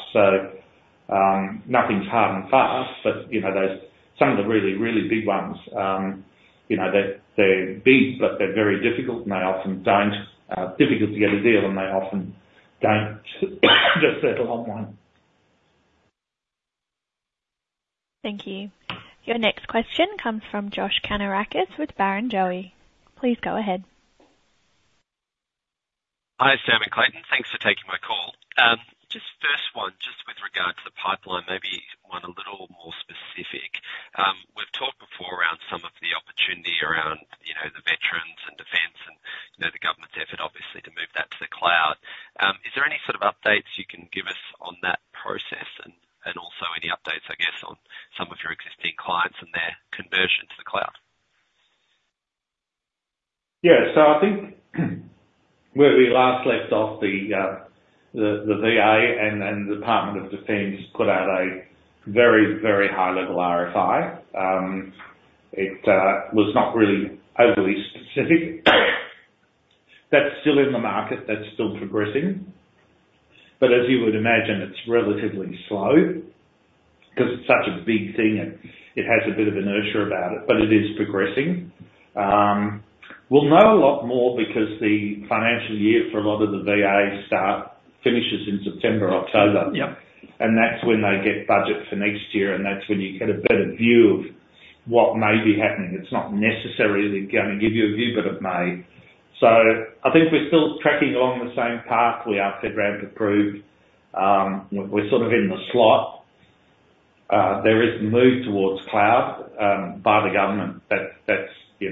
Nothing's hard and fast, but you know, those some of the really, really big ones, you know, they're they're big, but they're very difficult, and they often don't... difficult to get a deal, and they often don't just settle on one. Thank you. Your next question comes from Josh Kannourakis with Barrenjoey. Please go ahead. Hi, Sam and Clayton. Thanks for taking my call. Just first one, just with regard to the pipeline, maybe one a little more specific. We've talked before around some of the opportunity around, you know, the veterans and defense and, you know, the government's effort, obviously, to move that to the cloud. Is there any sort of updates you can give us on that process and also any updates, I guess, on some of your existing clients and their conversion to the cloud? Yeah, so I think where we last left off, the VA and the Department of Defense put out a very, very high level RFI. It was not really overly specific. That's still in the market. That's still progressing, but as you would imagine, it's relatively slow because it's such a big thing, and it has a bit of inertia about it, but it is progressing. We'll know a lot more because the financial year for a lot of the VAs finishes in September, October. Yeah. That's when they get budget for next year, and that's when you get a better view of what may be happening. It's not necessarily going to give you a view, but it may. I think we're still tracking along the same path. We are FedRAMP approved. We're sort of in the slot. There is a move towards cloud by the government that's, you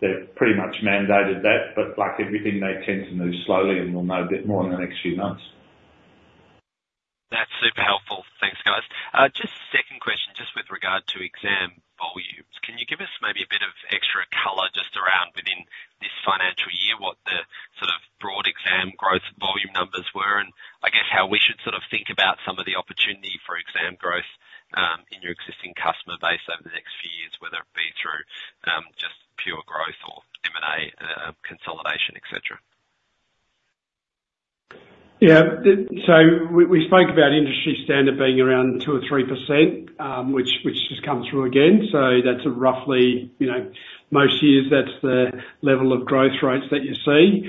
know, they've pretty much mandated that, but like everything, they tend to move slowly, and we'll know a bit more in the next few months. That's super helpful. Thanks, guys. Just second question, just with regard to exam volumes. Can you give us maybe a bit of extra color just around within this financial year, what the sort of broad exam growth volume numbers were? And I guess, how we should sort of think about some of the opportunity for exam growth, in your existing customer base over the next few years, whether it be through, just pure growth or M&A, consolidation, et cetera? Yeah. So we spoke about industry standard being around 2 or 3%, which has come through again. So that's roughly, you know, most years, that's the level of growth rates that you see.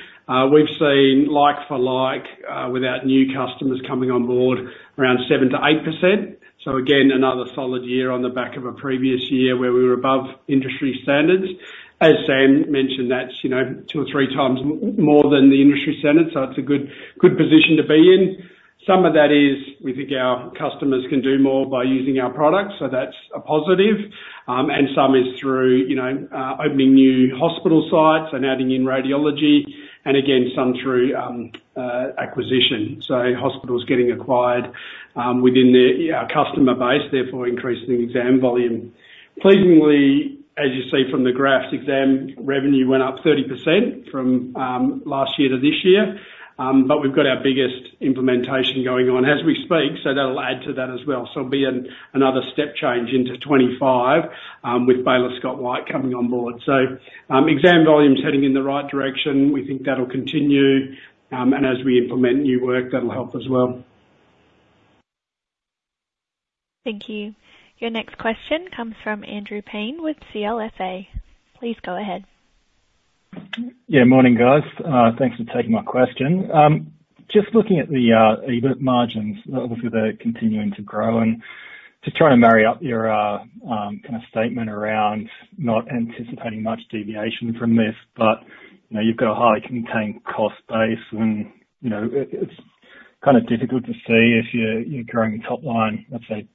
We've seen like for like, without new customers coming on board, around 7%-8%. So again, another solid year on the back of a previous year where we were above industry standards. As Sam mentioned, that's, you know, two or three times more than the industry standard, so it's a good, good position to be in. Some of that is, we think our customers can do more by using our products, so that's a positive. And some is through, you know, opening new hospital sites and adding in radiology, and again, some through acquisition. So hospitals getting acquired within the customer base, therefore increasing exam volume. Pleasingly, as you see from the graphs, exam revenue went up 30% from last year to this year. But we've got our biggest implementation going on as we speak, so that'll add to that as well. So it'll be another step change into 2025 with Baylor Scott & White coming on board. So exam volume's heading in the right direction. We think that'll continue and as we implement new work, that'll help as well. Thank you. Your next question comes from Andrew Paine with CLSA. Please go ahead. Yeah, morning, guys. Thanks for taking my question. Just looking at the EBIT margins, obviously, they're continuing to grow, and to try and marry up your kind of statement around not anticipating much deviation from this, but, you know, you've got a highly contained cost base, and, you know, it, it's kind of difficult to see if you're growing the top line, let's say,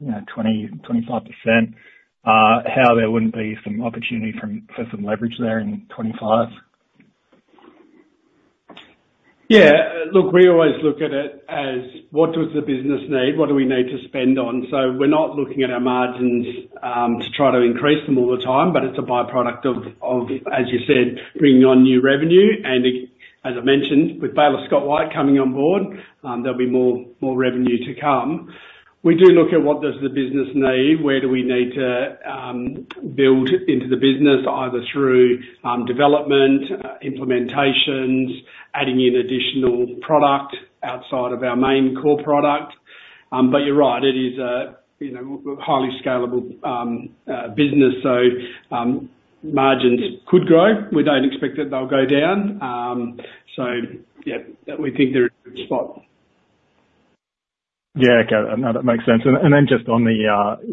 you know, 20-25%, how there wouldn't be some opportunity for some leverage there in 2025? Yeah. Look, we always look at it as what does the business need? What do we need to spend on? So we're not looking at our margins to try to increase them all the time, but it's a by-product of, of, as you said, bringing on new revenue, and it, as I mentioned, with Baylor Scott & White coming on board, there'll be more, more revenue to come. We do look at what does the business need? Where do we need to build into the business, either through development, implementations, adding in additional product outside of our main core product? But you're right, it is a, you know, highly scalable business, so margins could grow. We don't expect that they'll go down. So yeah, that we think they're in a good spot. Yeah, okay. No, that makes sense. And then just on the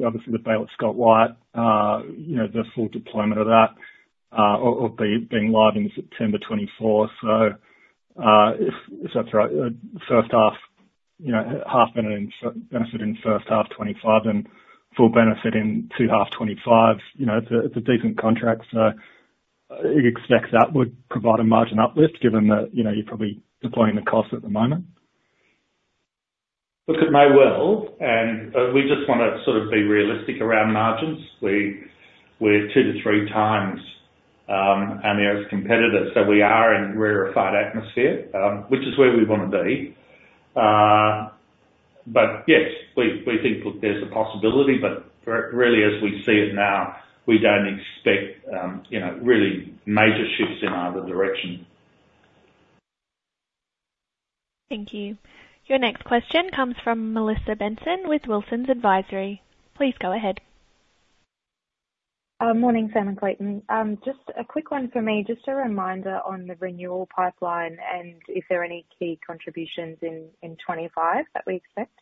obviously the Baylor Scott & White, you know, the full deployment of that will be being live in September 2024. So, if that's right, first half, you know, half benefit in first half 2025 and full benefit in two half 2025, you know, it's a decent contract, so you expect that would provide a margin uplift, given that, you know, you're probably deploying the cost at the moment? Look, it may well, we just wanna sort of be realistic around margins. We're 2-3 times our nearest competitor, so we are in rarefied atmosphere, which is where we want to be. But yes, we think look, there's a possibility, but for really, as we see it now, we don't expect, you know, really major shifts in either direction. Thank you. Your next question comes from Melissa Benson with Wilsons Advisory. Please go ahead. Morning, Sam and Clayton. Just a quick one for me. Just a reminder on the renewal pipeline, and if there are any key contributions in 2025 that we expect?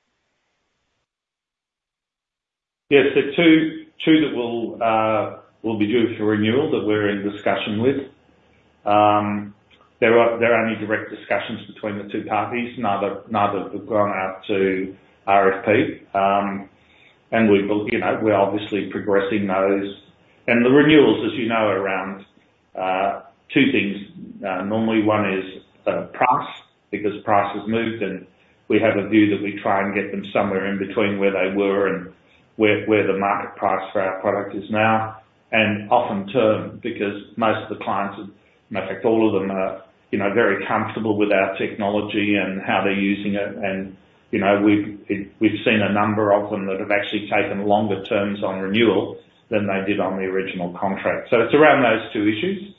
Yes, there are two, two that will be due for renewal that we're in discussion with. There are only direct discussions between the two parties, neither have gone out to RFP. And we've, look, you know, we're obviously progressing those. And the renewals, as you know, around two things. Normally, one is price, because price has moved, and we have a view that we try and get them somewhere in between where they were and where the market price for our product is now, and often term, because most of the clients, matter of fact, all of them are, you know, very comfortable with our technology and how they're using it. And, you know, we've seen a number of them that have actually taken longer terms on renewal than they did on the original contract. So it's around those two issues.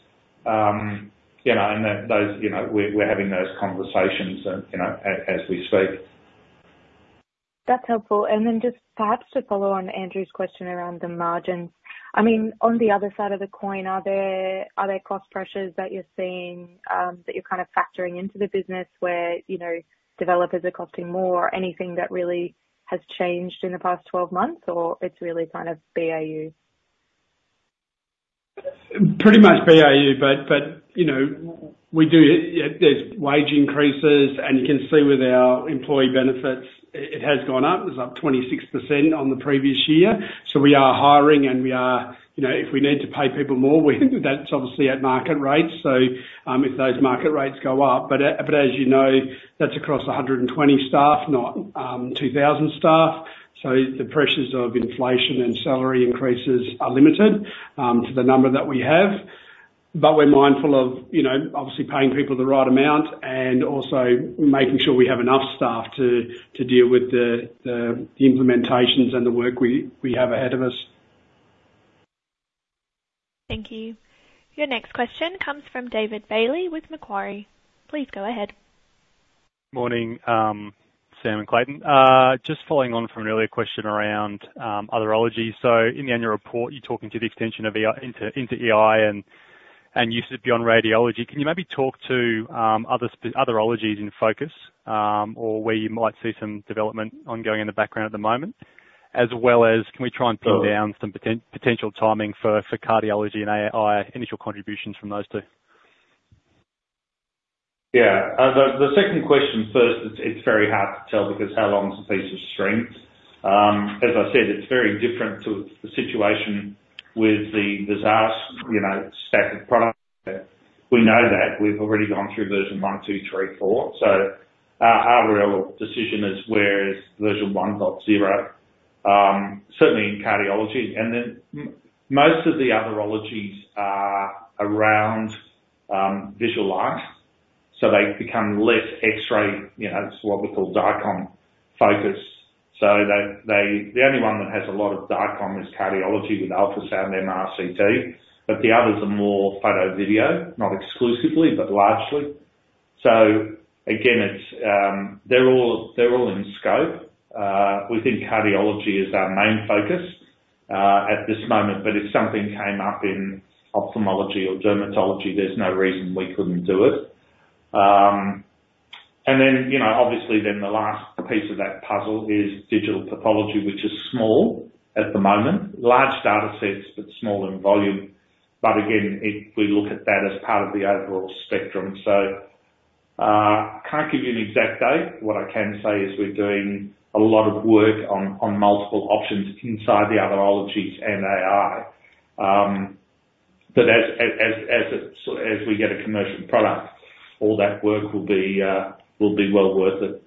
You know, and those, you know, we're having those conversations and, you know, as we speak. That's helpful. And then just perhaps to follow on Andrew's question around the margins. I mean, on the other side of the coin, are there cost pressures that you're seeing, that you're kind of factoring into the business where, you know, developers are costing more or anything that really has changed in the past 12 months, or it's really kind of BAU? Pretty much BAU. But you know, we do have wage increases, and you can see with our employee benefits, it has gone up. It's up 26% on the previous year. So we are hiring, and we are. You know, if we need to pay people more, we think that's obviously at market rates, so if those market rates go up, but as you know, that's across 120 staff, not 2,000 staff. So the pressures of inflation and salary increases are limited to the number that we have. But we're mindful of, you know, obviously paying people the right amount and also making sure we have enough staff to deal with the implementations and the work we have ahead of us. Thank you. Your next question comes from David Bailey with Macquarie. Please go ahead. Morning, Sam and Clayton. Just following on from an earlier question around other ologies. So in the annual report, you're talking to the extension of EI into EI and usage beyond radiology. Can you maybe talk to other ologies in focus or where you might see some development ongoing in the background at the moment? As well as, can we try and pin down- Sure. some potential timing for cardiology and AI, initial contributions from those two?... Yeah, the second question first, it's very hard to tell because how long is a piece of string? As I said, it's very different to the situation with the XaaS, you know, stack of products. We know that. We've already gone through version one, two, three, four. So our real decision is where is version one dot zero, certainly in cardiology. And then most of the other ologies are around visible light, so they become less X-ray, you know, what we call DICOM focused. So they-- The only one that has a lot of DICOM is cardiology with ultrasound and MR,CT, but the others are more photo, video, not exclusively, but largely. So again, it's, they're all in scope. We think cardiology is our main focus at this moment, but if something came up in ophthalmology or dermatology, there's no reason we couldn't do it. And then, you know, obviously then the last piece of that puzzle is digital pathology, which is small at the moment. Large data sets, but small in volume. But again, it. We look at that as part of the overall spectrum. So, can't give you an exact date. What I can say is we're doing a lot of work on multiple options inside the other ologies and AI. But as it, so as we get a commercial product, all that work will be well worth it.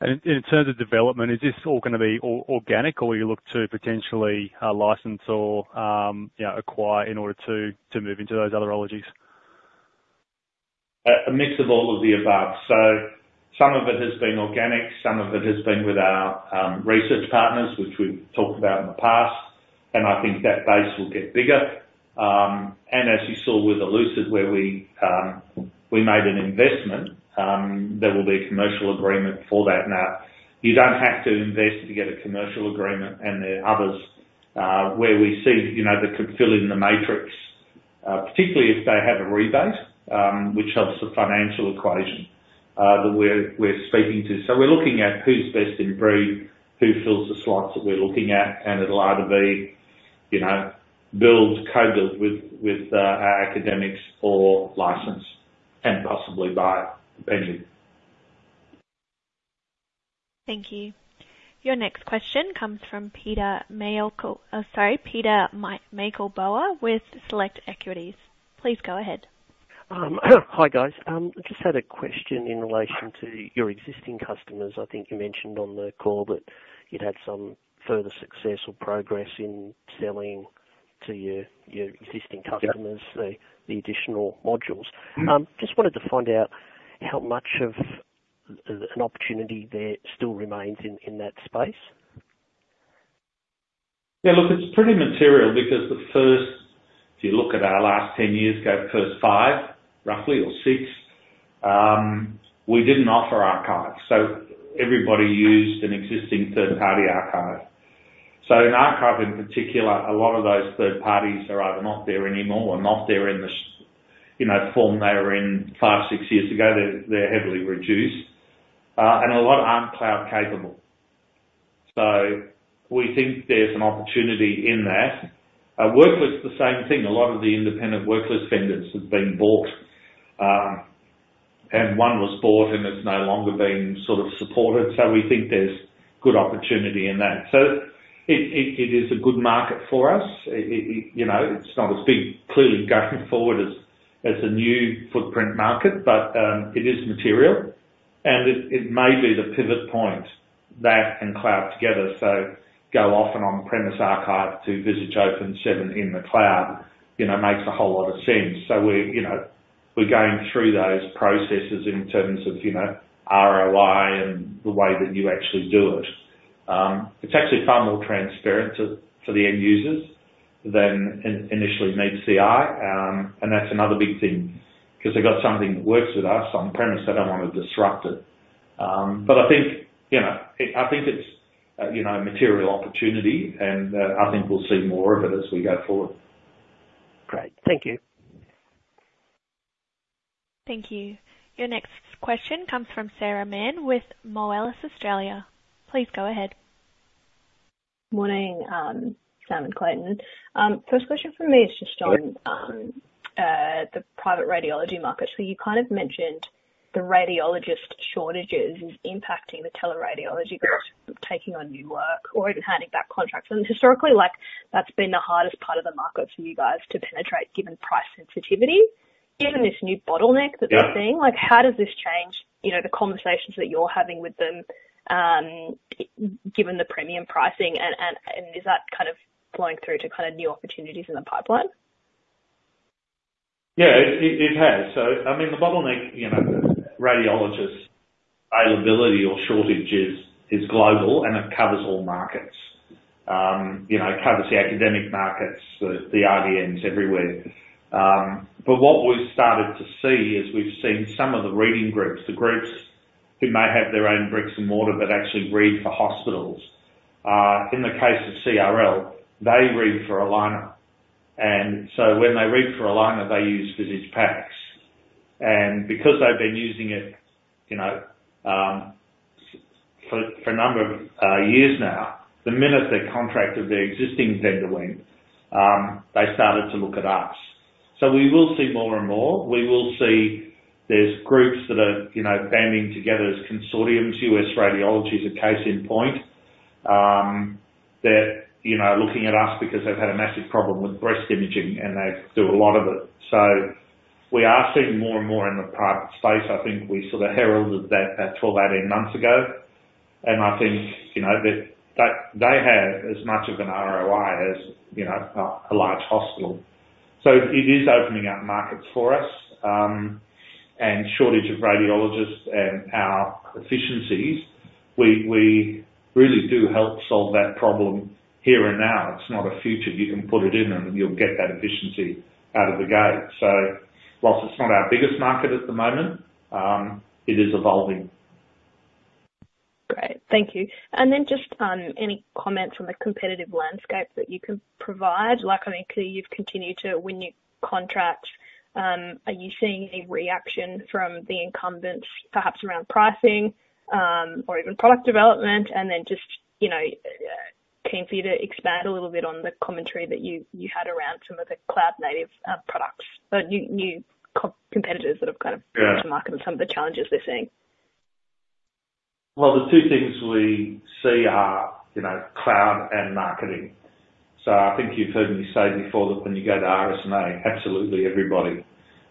In terms of development, is this all gonna be organic, or you look to potentially license or, you know, acquire in order to move into those other modalities? A mix of all of the above. So some of it has been organic, some of it has been with our research partners, which we've talked about in the past, and I think that base will get bigger. And as you saw with Elucid, where we made an investment, there will be a commercial agreement for that. Now, you don't have to invest to get a commercial agreement, and there are others where we see, you know, that could fill in the matrix, particularly if they have a rebate, which helps the financial equation that we're speaking to. So we're looking at who's best in breed, who fills the slots that we're looking at, and it'll either be, you know, build, co-build with our academics or license and possibly buy, potentially. Thank you. Your next question comes from Peeter-Michael Boel with Select Equities. Please go ahead. Hi, guys. I just had a question in relation to your existing customers. I think you mentioned on the call that you'd had some further success or progress in selling to your, your existing customers- Yeah. the additional modules. Mm-hmm. Just wanted to find out how much of an opportunity there still remains in that space? Yeah, look, it's pretty material because the first... If you look at our last 10 years, over the first five, roughly, or six, we didn't offer archive, so everybody used an existing third-party archive. So in archive, in particular, a lot of those third parties are either not there anymore or not there in the same, you know, form they were in five, six years ago. They're heavily reduced, and a lot aren't cloud capable. So we think there's an opportunity in that. Worklist, the same thing, a lot of the independent worklist vendors have been bought, and one was bought, and it's no longer being sort of supported, so we think there's good opportunity in that. So it is a good market for us. It, you know, it's not as big clearly going forward as a new footprint market, but it is material, and it may be the pivot point, that and cloud together. So, going off an on-premise archive to Visage 7 Open Archive in the cloud, you know, makes a whole lot of sense. So, we're, you know, we're going through those processes in terms of, you know, ROI and the way that you actually do it. It's actually far more transparent to the end users than initially meets the eye, and that's another big thing because they've got something that works with us on-premise, they don't want to disrupt it. But I think, you know, I think it's a material opportunity, and I think we'll see more of it as we go forward. Great. Thank you. Thank you. Your next question comes from Sarah Mann with Moelis Australia. Please go ahead. Morning, Sam and Clayton. First question from me is just on- Yeah... the private radiology market. So you kind of mentioned the radiologist shortages impacting the teleradiology groups- Yeah -taking on new work or even handing back contracts. Historically, like, that's been the hardest part of the market for you guys to penetrate, given price sensitivity. Given this new bottleneck- Yeah -that we're seeing, like, how does this change, you know, the conversations that you're having with them, given the premium pricing, and is that kind of flowing through to kind of new opportunities in the pipeline? Yeah, it has. So I mean, the bottleneck, you know, radiologist availability or shortages is global, and it covers all markets. You know, it covers the academic markets, the IDNs everywhere. But what we've started to see is, we've seen some of the reading groups, the groups who may have their own bricks and mortar but actually read for hospitals. In the case of CRL, they read for Allina, and so when they read for Allina, they use Visage PACS. And because they've been using it, you know, for a number of years now, the minute the contract of their existing vendor went, they started to look at us. So we will see more and more. We will see there's groups that are, you know, banding together as consortiums. US Radiology Specialists is a case in point. They're, you know, looking at us because they've had a massive problem with breast imaging, and they do a lot of it. So we are seeing more and more in the private space. I think we sort of heralded that at 12, 18 months ago, and I think, you know, that they have as much of an ROI as, you know, a large hospital. So it is opening up markets for us, and shortage of radiologists and our efficiencies, we really do help solve that problem here and now. It's not a future. You can put it in, and you'll get that efficiency out of the gate. So while it's not our biggest market at the moment, it is evolving. Great. Thank you. And then just any comments on the competitive landscape that you can provide? Like, I mean, clearly, you've continued to win new contracts. Are you seeing any reaction from the incumbents, perhaps around pricing, or even product development? And then just, you know, keen for you to expand a little bit on the commentary that you had around some of the cloud-native products, the new competitors that have kind of- Yeah come to market and some of the challenges they're seeing. Well, the two things we see are, you know, cloud and marketing. So I think you've heard me say before that when you go to RSNA, absolutely everybody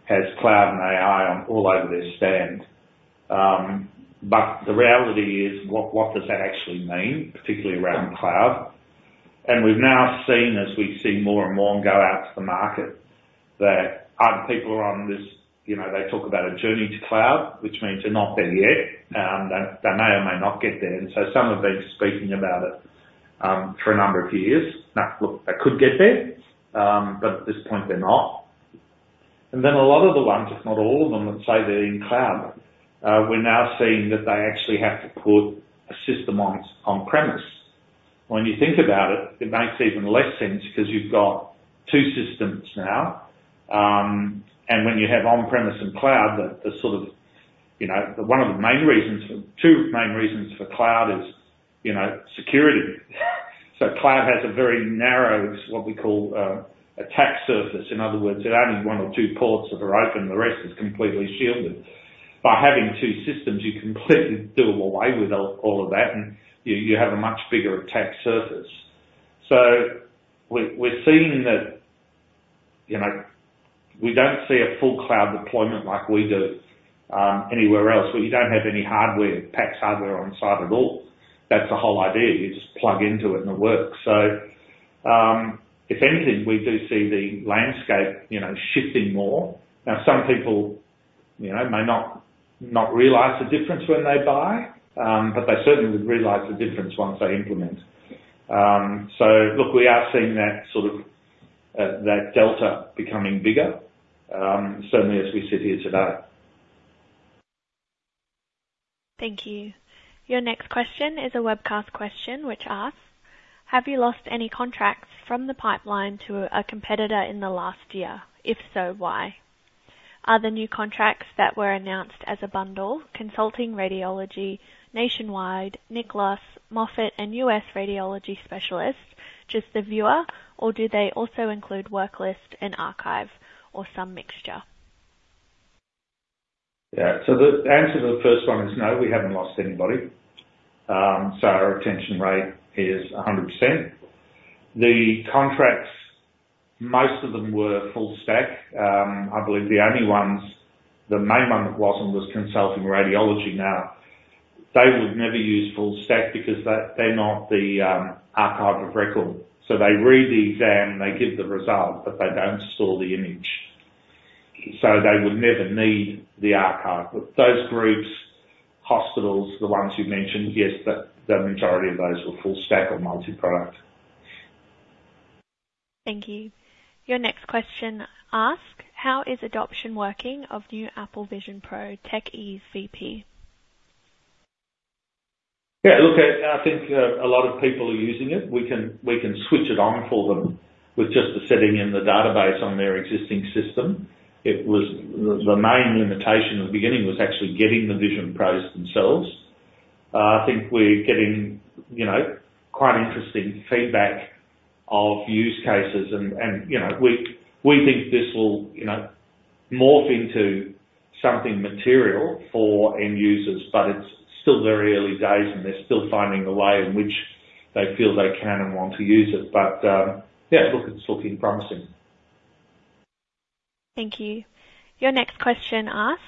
has cloud and AI on all over their stand. But the reality is, what, what does that actually mean, particularly around cloud? And we've now seen, as we've seen more and more go out to the market, that other people are on this... You know, they talk about a journey to cloud, which means they're not there yet, and they may or may not get there, and so some have been speaking about it, for a number of years. Now, look, they could get there, but at this point, they're not. A lot of the ones, if not all of them, that say they're in cloud, we're now seeing that they actually have to put a system on-premise. When you think about it, it makes even less sense because you've got two systems now. And when you have on-premise and cloud, you know, one of the main reasons for two main reasons for cloud is, you know, security. So cloud has a very narrow, what we call, attack surface. In other words, there are only one or two ports that are open, the rest is completely shielded. By having two systems, you completely do away with all of that, and you have a much bigger attack surface. So we, we're seeing that, you know, we don't see a full cloud deployment like we do, anywhere else, where you don't have any hardware, PACS hardware on site at all. That's the whole idea. You just plug into it, and it works. So, if anything, we do see the landscape, you know, shifting more. Now, some people, you know, may not, not realize the difference when they buy, but they certainly would realize the difference once they implement. So look, we are seeing that sort of, that delta becoming bigger, certainly as we sit here today. Thank you. Your next question is a webcast question, which asks: Have you lost any contracts from the pipeline to a competitor in the last year? If so, why? Are the new contracts that were announced as a bundle, Consulting Radiologists, Novant, Nicklaus, Moffitt, and US Radiology Specialists, just the viewer, or do they also include worklist and archive or some mixture? Yeah. So the answer to the first one is no, we haven't lost anybody. So our retention rate is 100%. The contracts, most of them were full stack. I believe the only ones, the main one that wasn't, was Consulting Radiologists. Now, they would never use full stack because they, they're not the archive of record. So they read the exam, and they give the result, but they don't store the image. So they would never need the archive. But those groups, hospitals, the ones you've mentioned, yes, the majority of those were full stack or multi-product. Thank you. Your next question asks: How is adoption working of new Apple Vision Pro Visage Ease VP? Yeah, look, I think a lot of people are using it. We can switch it on for them with just the setting in the database on their existing system. It was... The main limitation in the beginning was actually getting the Vision Pros themselves. I think we're getting, you know, quite interesting feedback of use cases, and you know, we think this will, you know, morph into something material for end users, but it's still very early days, and they're still finding a way in which they feel they can and want to use it. But yeah, look, it's looking promising. Thank you. Your next question asks: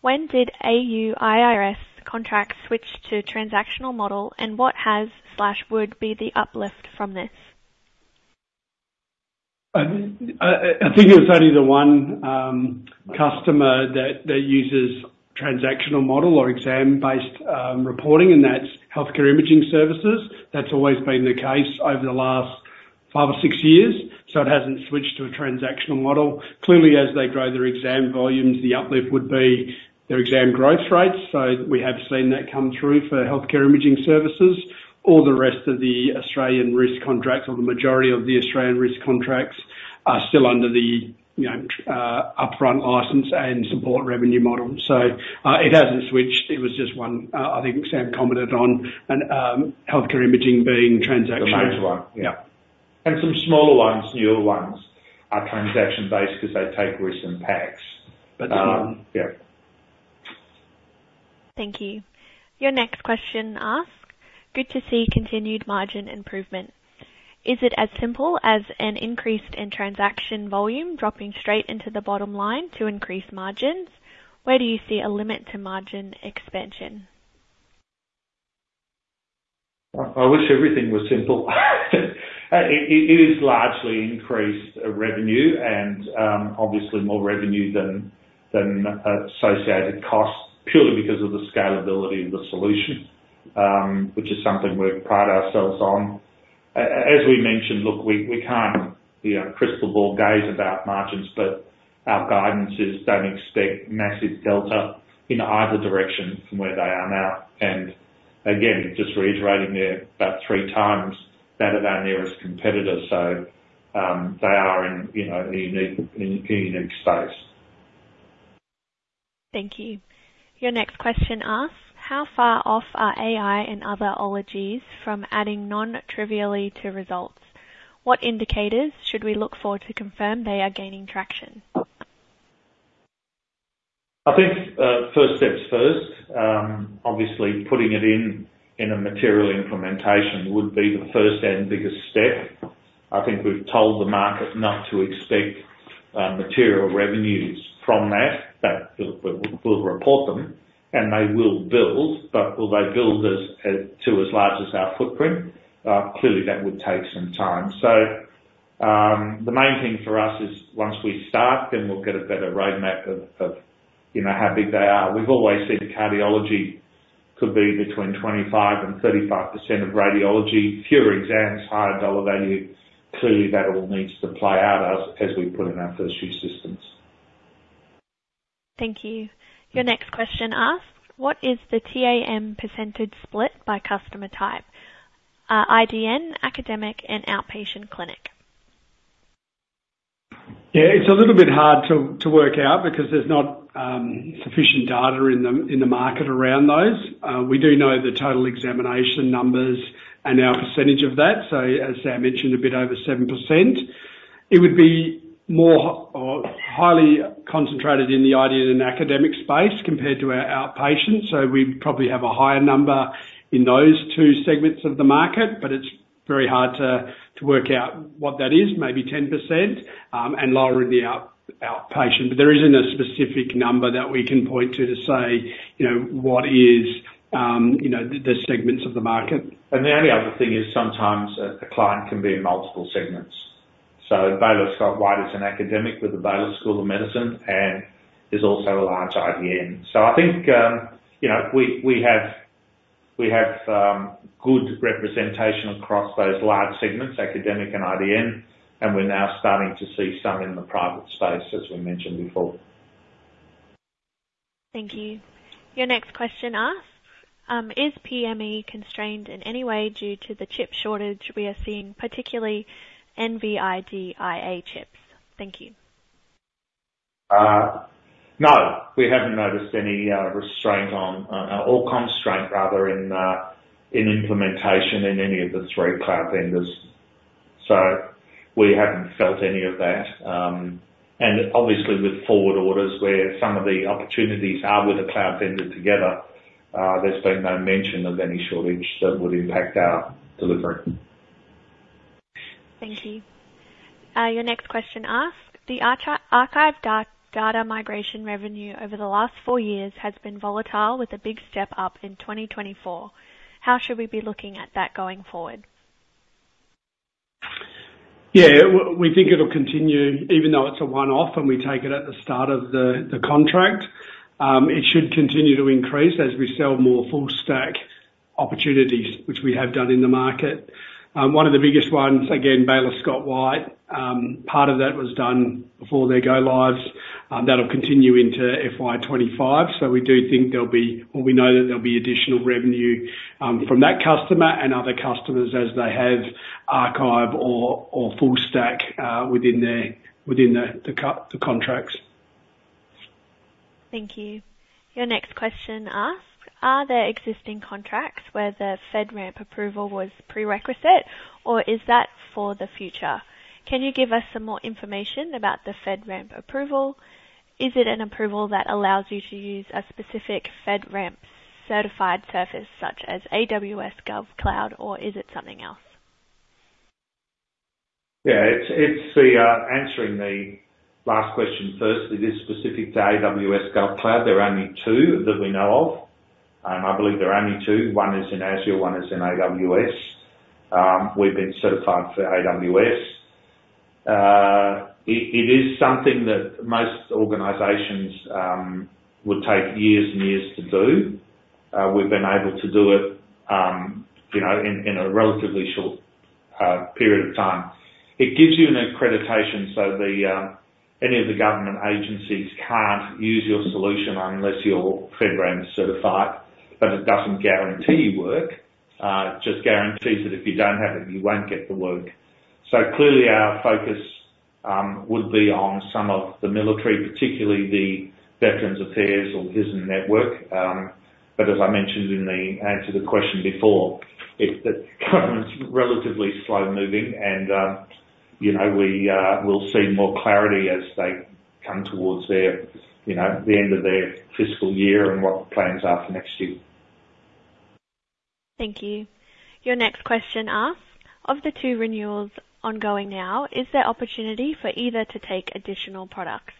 When did AU-RIS contract switch to transactional model, and what has/would be the uplift from this? I think it's only the one customer that uses transactional model or exam-based reporting, and that's Healthcare Imaging Services. That's always been the case over the last 5 or 6 years, so it hasn't switched to a transactional model. Clearly, as they grow their exam volumes, the uplift would be their exam growth rates, so we have seen that come through for Healthcare Imaging Services. All the rest of the Australian RIS contracts or the majority of the Australian RIS contracts are still under the, you know, upfront license and support revenue model. So, it hasn't switched. It was just one, I think Sam commented on, and Healthcare Imaging being transactional. The major one, yeah. And some smaller ones, newer ones, are transaction-based because they take risk in packs. But, yeah. Thank you. Your next question asks: Good to see continued margin improvement. Is it as simple as an increase in transaction volume dropping straight into the bottom line to increase margins? Where do you see a limit to margin expansion? I wish everything was simple. It is largely increased revenue and obviously more revenue than associated costs, purely because of the scalability of the solution, which is something we pride ourselves on. As we mentioned, look, we can't, you know, crystal ball gaze about margins, but our guidances don't expect massive delta in either direction from where they are now, and again, just reiterating they're about three times better than our nearest competitor. So, they are in, you know, a unique space. Thank you. Your next question asks: How far off are AI and other technologies from adding non-trivially to results? What indicators should we look for to confirm they are gaining traction? I think, first steps first. Obviously putting it in a material implementation would be the first and biggest step. I think we've told the market not to expect material revenues from that, but we'll report them, and they will build, but will they build as to as large as our footprint? Clearly, that would take some time. So, the main thing for us is once we start, then we'll get a better roadmap of you know, how big they are. We've always said cardiology could be between 25% and 35% of radiology, fewer exams, higher dollar value. Clearly, that all needs to play out as we put in our first few systems. Thank you. Your next question asks: What is the TAM percentage split by customer type? IDN, academic, and outpatient clinic. Yeah, it's a little bit hard to work out because there's not sufficient data in the market around those. We do know the total examination numbers and our percentage of that, so as Sam mentioned, a bit over 7%. It would be more or highly concentrated in the IDN and academic space compared to our outpatient, so we probably have a higher number in those two segments of the market, but it's very hard to work out what that is, maybe 10%, and lower in the outpatient. But there isn't a specific number that we can point to, to say, you know, what is the segments of the market. The only other thing is sometimes a client can be in multiple segments. So Baylor Scott & White is an academic with the Baylor College of Medicine and is also a large IDN. So I think, you know, we have good representation across those large segments, academic and IDN, and we're now starting to see some in the private space, as we mentioned before. Thank you. Your next question asks: Is PME constrained in any way due to the chip shortage we are seeing, particularly NVIDIA chips? Thank you. No, we haven't noticed any restraint on or constraint, rather, in implementation in any of the three cloud vendors. So we haven't felt any of that. And obviously with forward orders, where some of the opportunities are with the cloud vendor together, there's been no mention of any shortage that would impact our delivery. Thank you. Your next question asks: The archive data migration revenue over the last four years has been volatile, with a big step up in 2024. How should we be looking at that going forward? Yeah, we think it'll continue, even though it's a one-off and we take it at the start of the contract, it should continue to increase as we sell more full stack opportunities, which we have done in the market. One of the biggest ones, again, Baylor Scott & White. Part of that was done before their go-lives. That'll continue into FY 25, so we do think there'll be- or we know that there'll be additional revenue, from that customer and other customers as they have archive or full stack, within their contracts. Thank you. Your next question asks: Are there existing contracts where the FedRAMP approval was prerequisite, or is that for the future? Can you give us some more information about the FedRAMP approval? Is it an approval that allows you to use a specific FedRAMP-certified service, such as AWS GovCloud, or is it something else? Yeah, it's the... Answering the last question first, it is specific to AWS GovCloud. There are only two that we know of. I believe there are only two. One is in Azure, one is in AWS. We've been certified for AWS. It is something that most organizations would take years and years to do. We've been able to do it, you know, in a relatively short period of time. It gives you an accreditation, so any of the government agencies can't use your solution unless you're FedRAMP certified, but it doesn't guarantee you work. It just guarantees that if you don't have it, you won't get the work. So clearly, our focus would be on some of the military, particularly the Veterans Affairs or VISN network, but as I mentioned in the answer to the question before, the government's relatively slow-moving and, you know, we, we'll see more clarity as they come towards their, you know, the end of their fiscal year and what the plans are for next year. Thank you. Your next question asks: "Of the two renewals ongoing now, is there opportunity for either to take additional products?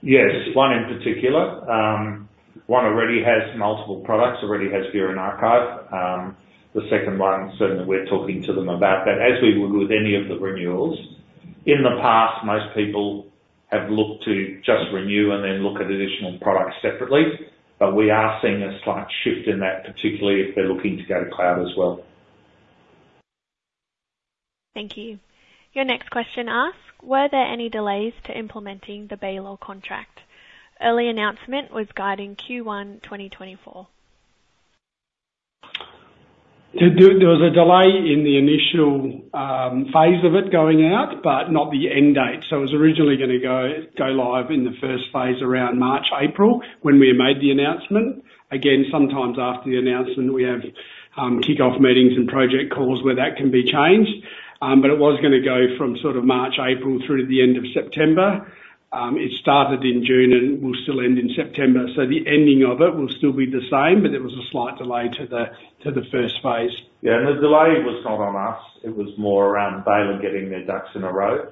Yes, one in particular. One already has multiple products, already has view and archive. The second one, certainly we're talking to them about that, as we would with any of the renewals. In the past, most people have looked to just renew and then look at additional products separately, but we are seeing a slight shift in that, particularly if they're looking to go to cloud as well. Thank you. Your next question asks, "Were there any delays to implementing the Baylor contract? Early announcement was guiding Q1, 2024. There was a delay in the initial phase of it going out, but not the end date. So it was originally gonna go live in the first phase around March, April, when we made the announcement. Again, sometimes after the announcement, we have kickoff meetings and project calls where that can be changed, but it was gonna go from sort of March, April through to the end of September. It started in June and will still end in September, so the ending of it will still be the same, but there was a slight delay to the first phase. Yeah, the delay was not on us. It was more around Baylor getting their ducks in a row.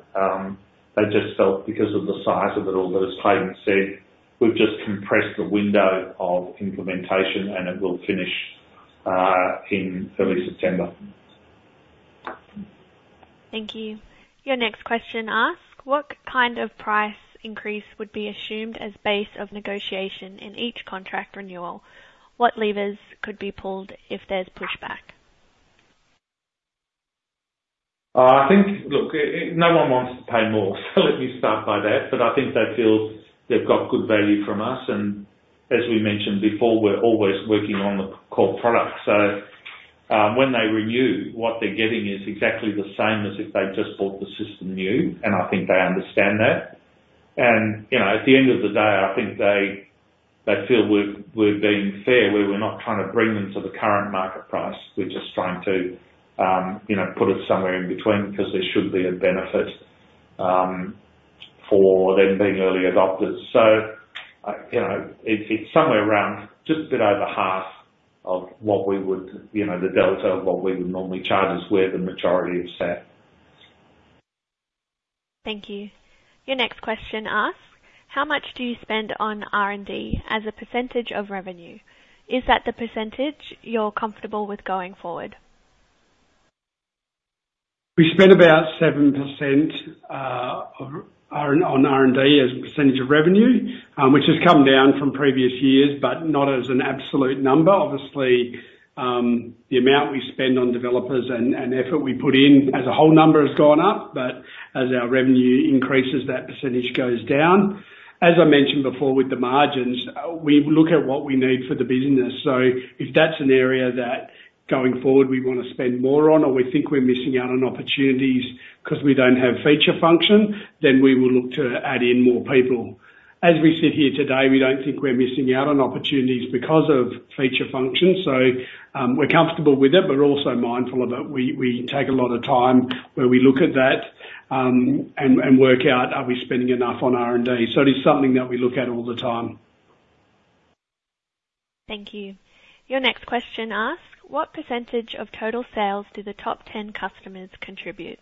They just felt because of the size of it all, but as Clayton said, we've just compressed the window of implementation, and it will finish in early September. Thank you. Your next question asks, "What kind of price increase would be assumed as base of negotiation in each contract renewal? What levers could be pulled if there's pushback? I think... Look, no one wants to pay more, so let me start by that. But I think they feel they've got good value from us, and as we mentioned before, we're always working on the core product. So, when they renew, what they're getting is exactly the same as if they just bought the system new, and I think they understand that. And, you know, at the end of the day, I think they feel we're being fair, where we're not trying to bring them to the current market price. We're just trying to, you know, put it somewhere in between, 'cause there should be a benefit for them being early adopters. So, you know, it's somewhere around just a bit over half of what we would, you know, the delta of what we would normally charge is where the majority is set. Thank you. Your next question asks, "How much do you spend on R&D as a percentage of revenue? Is that the percentage you're comfortable with going forward? We spend about 7% of R&D as a percentage of revenue, which has come down from previous years, but not as an absolute number. Obviously, the amount we spend on developers and effort we put in as a whole number has gone up, but as our revenue increases, that percentage goes down. As I mentioned before with the margins, we look at what we need for the business. So if that's an area that, going forward, we wanna spend more on, or we think we're missing out on opportunities 'cause we don't have feature function, then we will look to add in more people. As we sit here today, we don't think we're missing out on opportunities because of feature function, so we're comfortable with it, but we're also mindful of it. We take a lot of time where we look at that, and work out, are we spending enough on R&D? So it is something that we look at all the time. Thank you. Your next question asks, "What percentage of total sales do the top 10 customers contribute?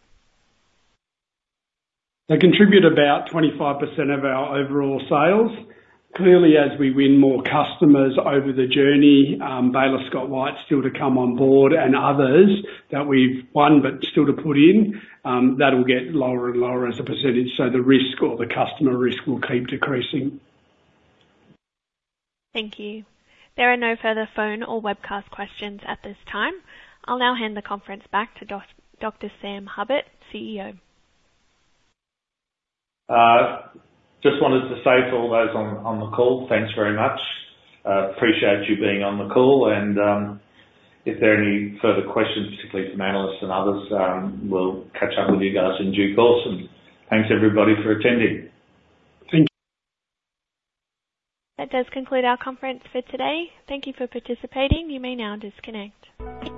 They contribute about 25% of our overall sales. Clearly, as we win more customers over the journey, Baylor Scott & White still to come on board, and others that we've won but still to put in, that'll get lower and lower as a percentage, so the risk or the customer risk will keep decreasing. Thank you. There are no further phone or webcast questions at this time. I'll now hand the conference back to Dr. Sam Hupert, CEO. Just wanted to say to all those on the call, thanks very much. Appreciate you being on the call, and if there are any further questions, particularly from analysts and others, we'll catch up with you guys in due course, and thanks, everybody, for attending. Thank- That does conclude our conference for today. Thank you for participating. You may now disconnect.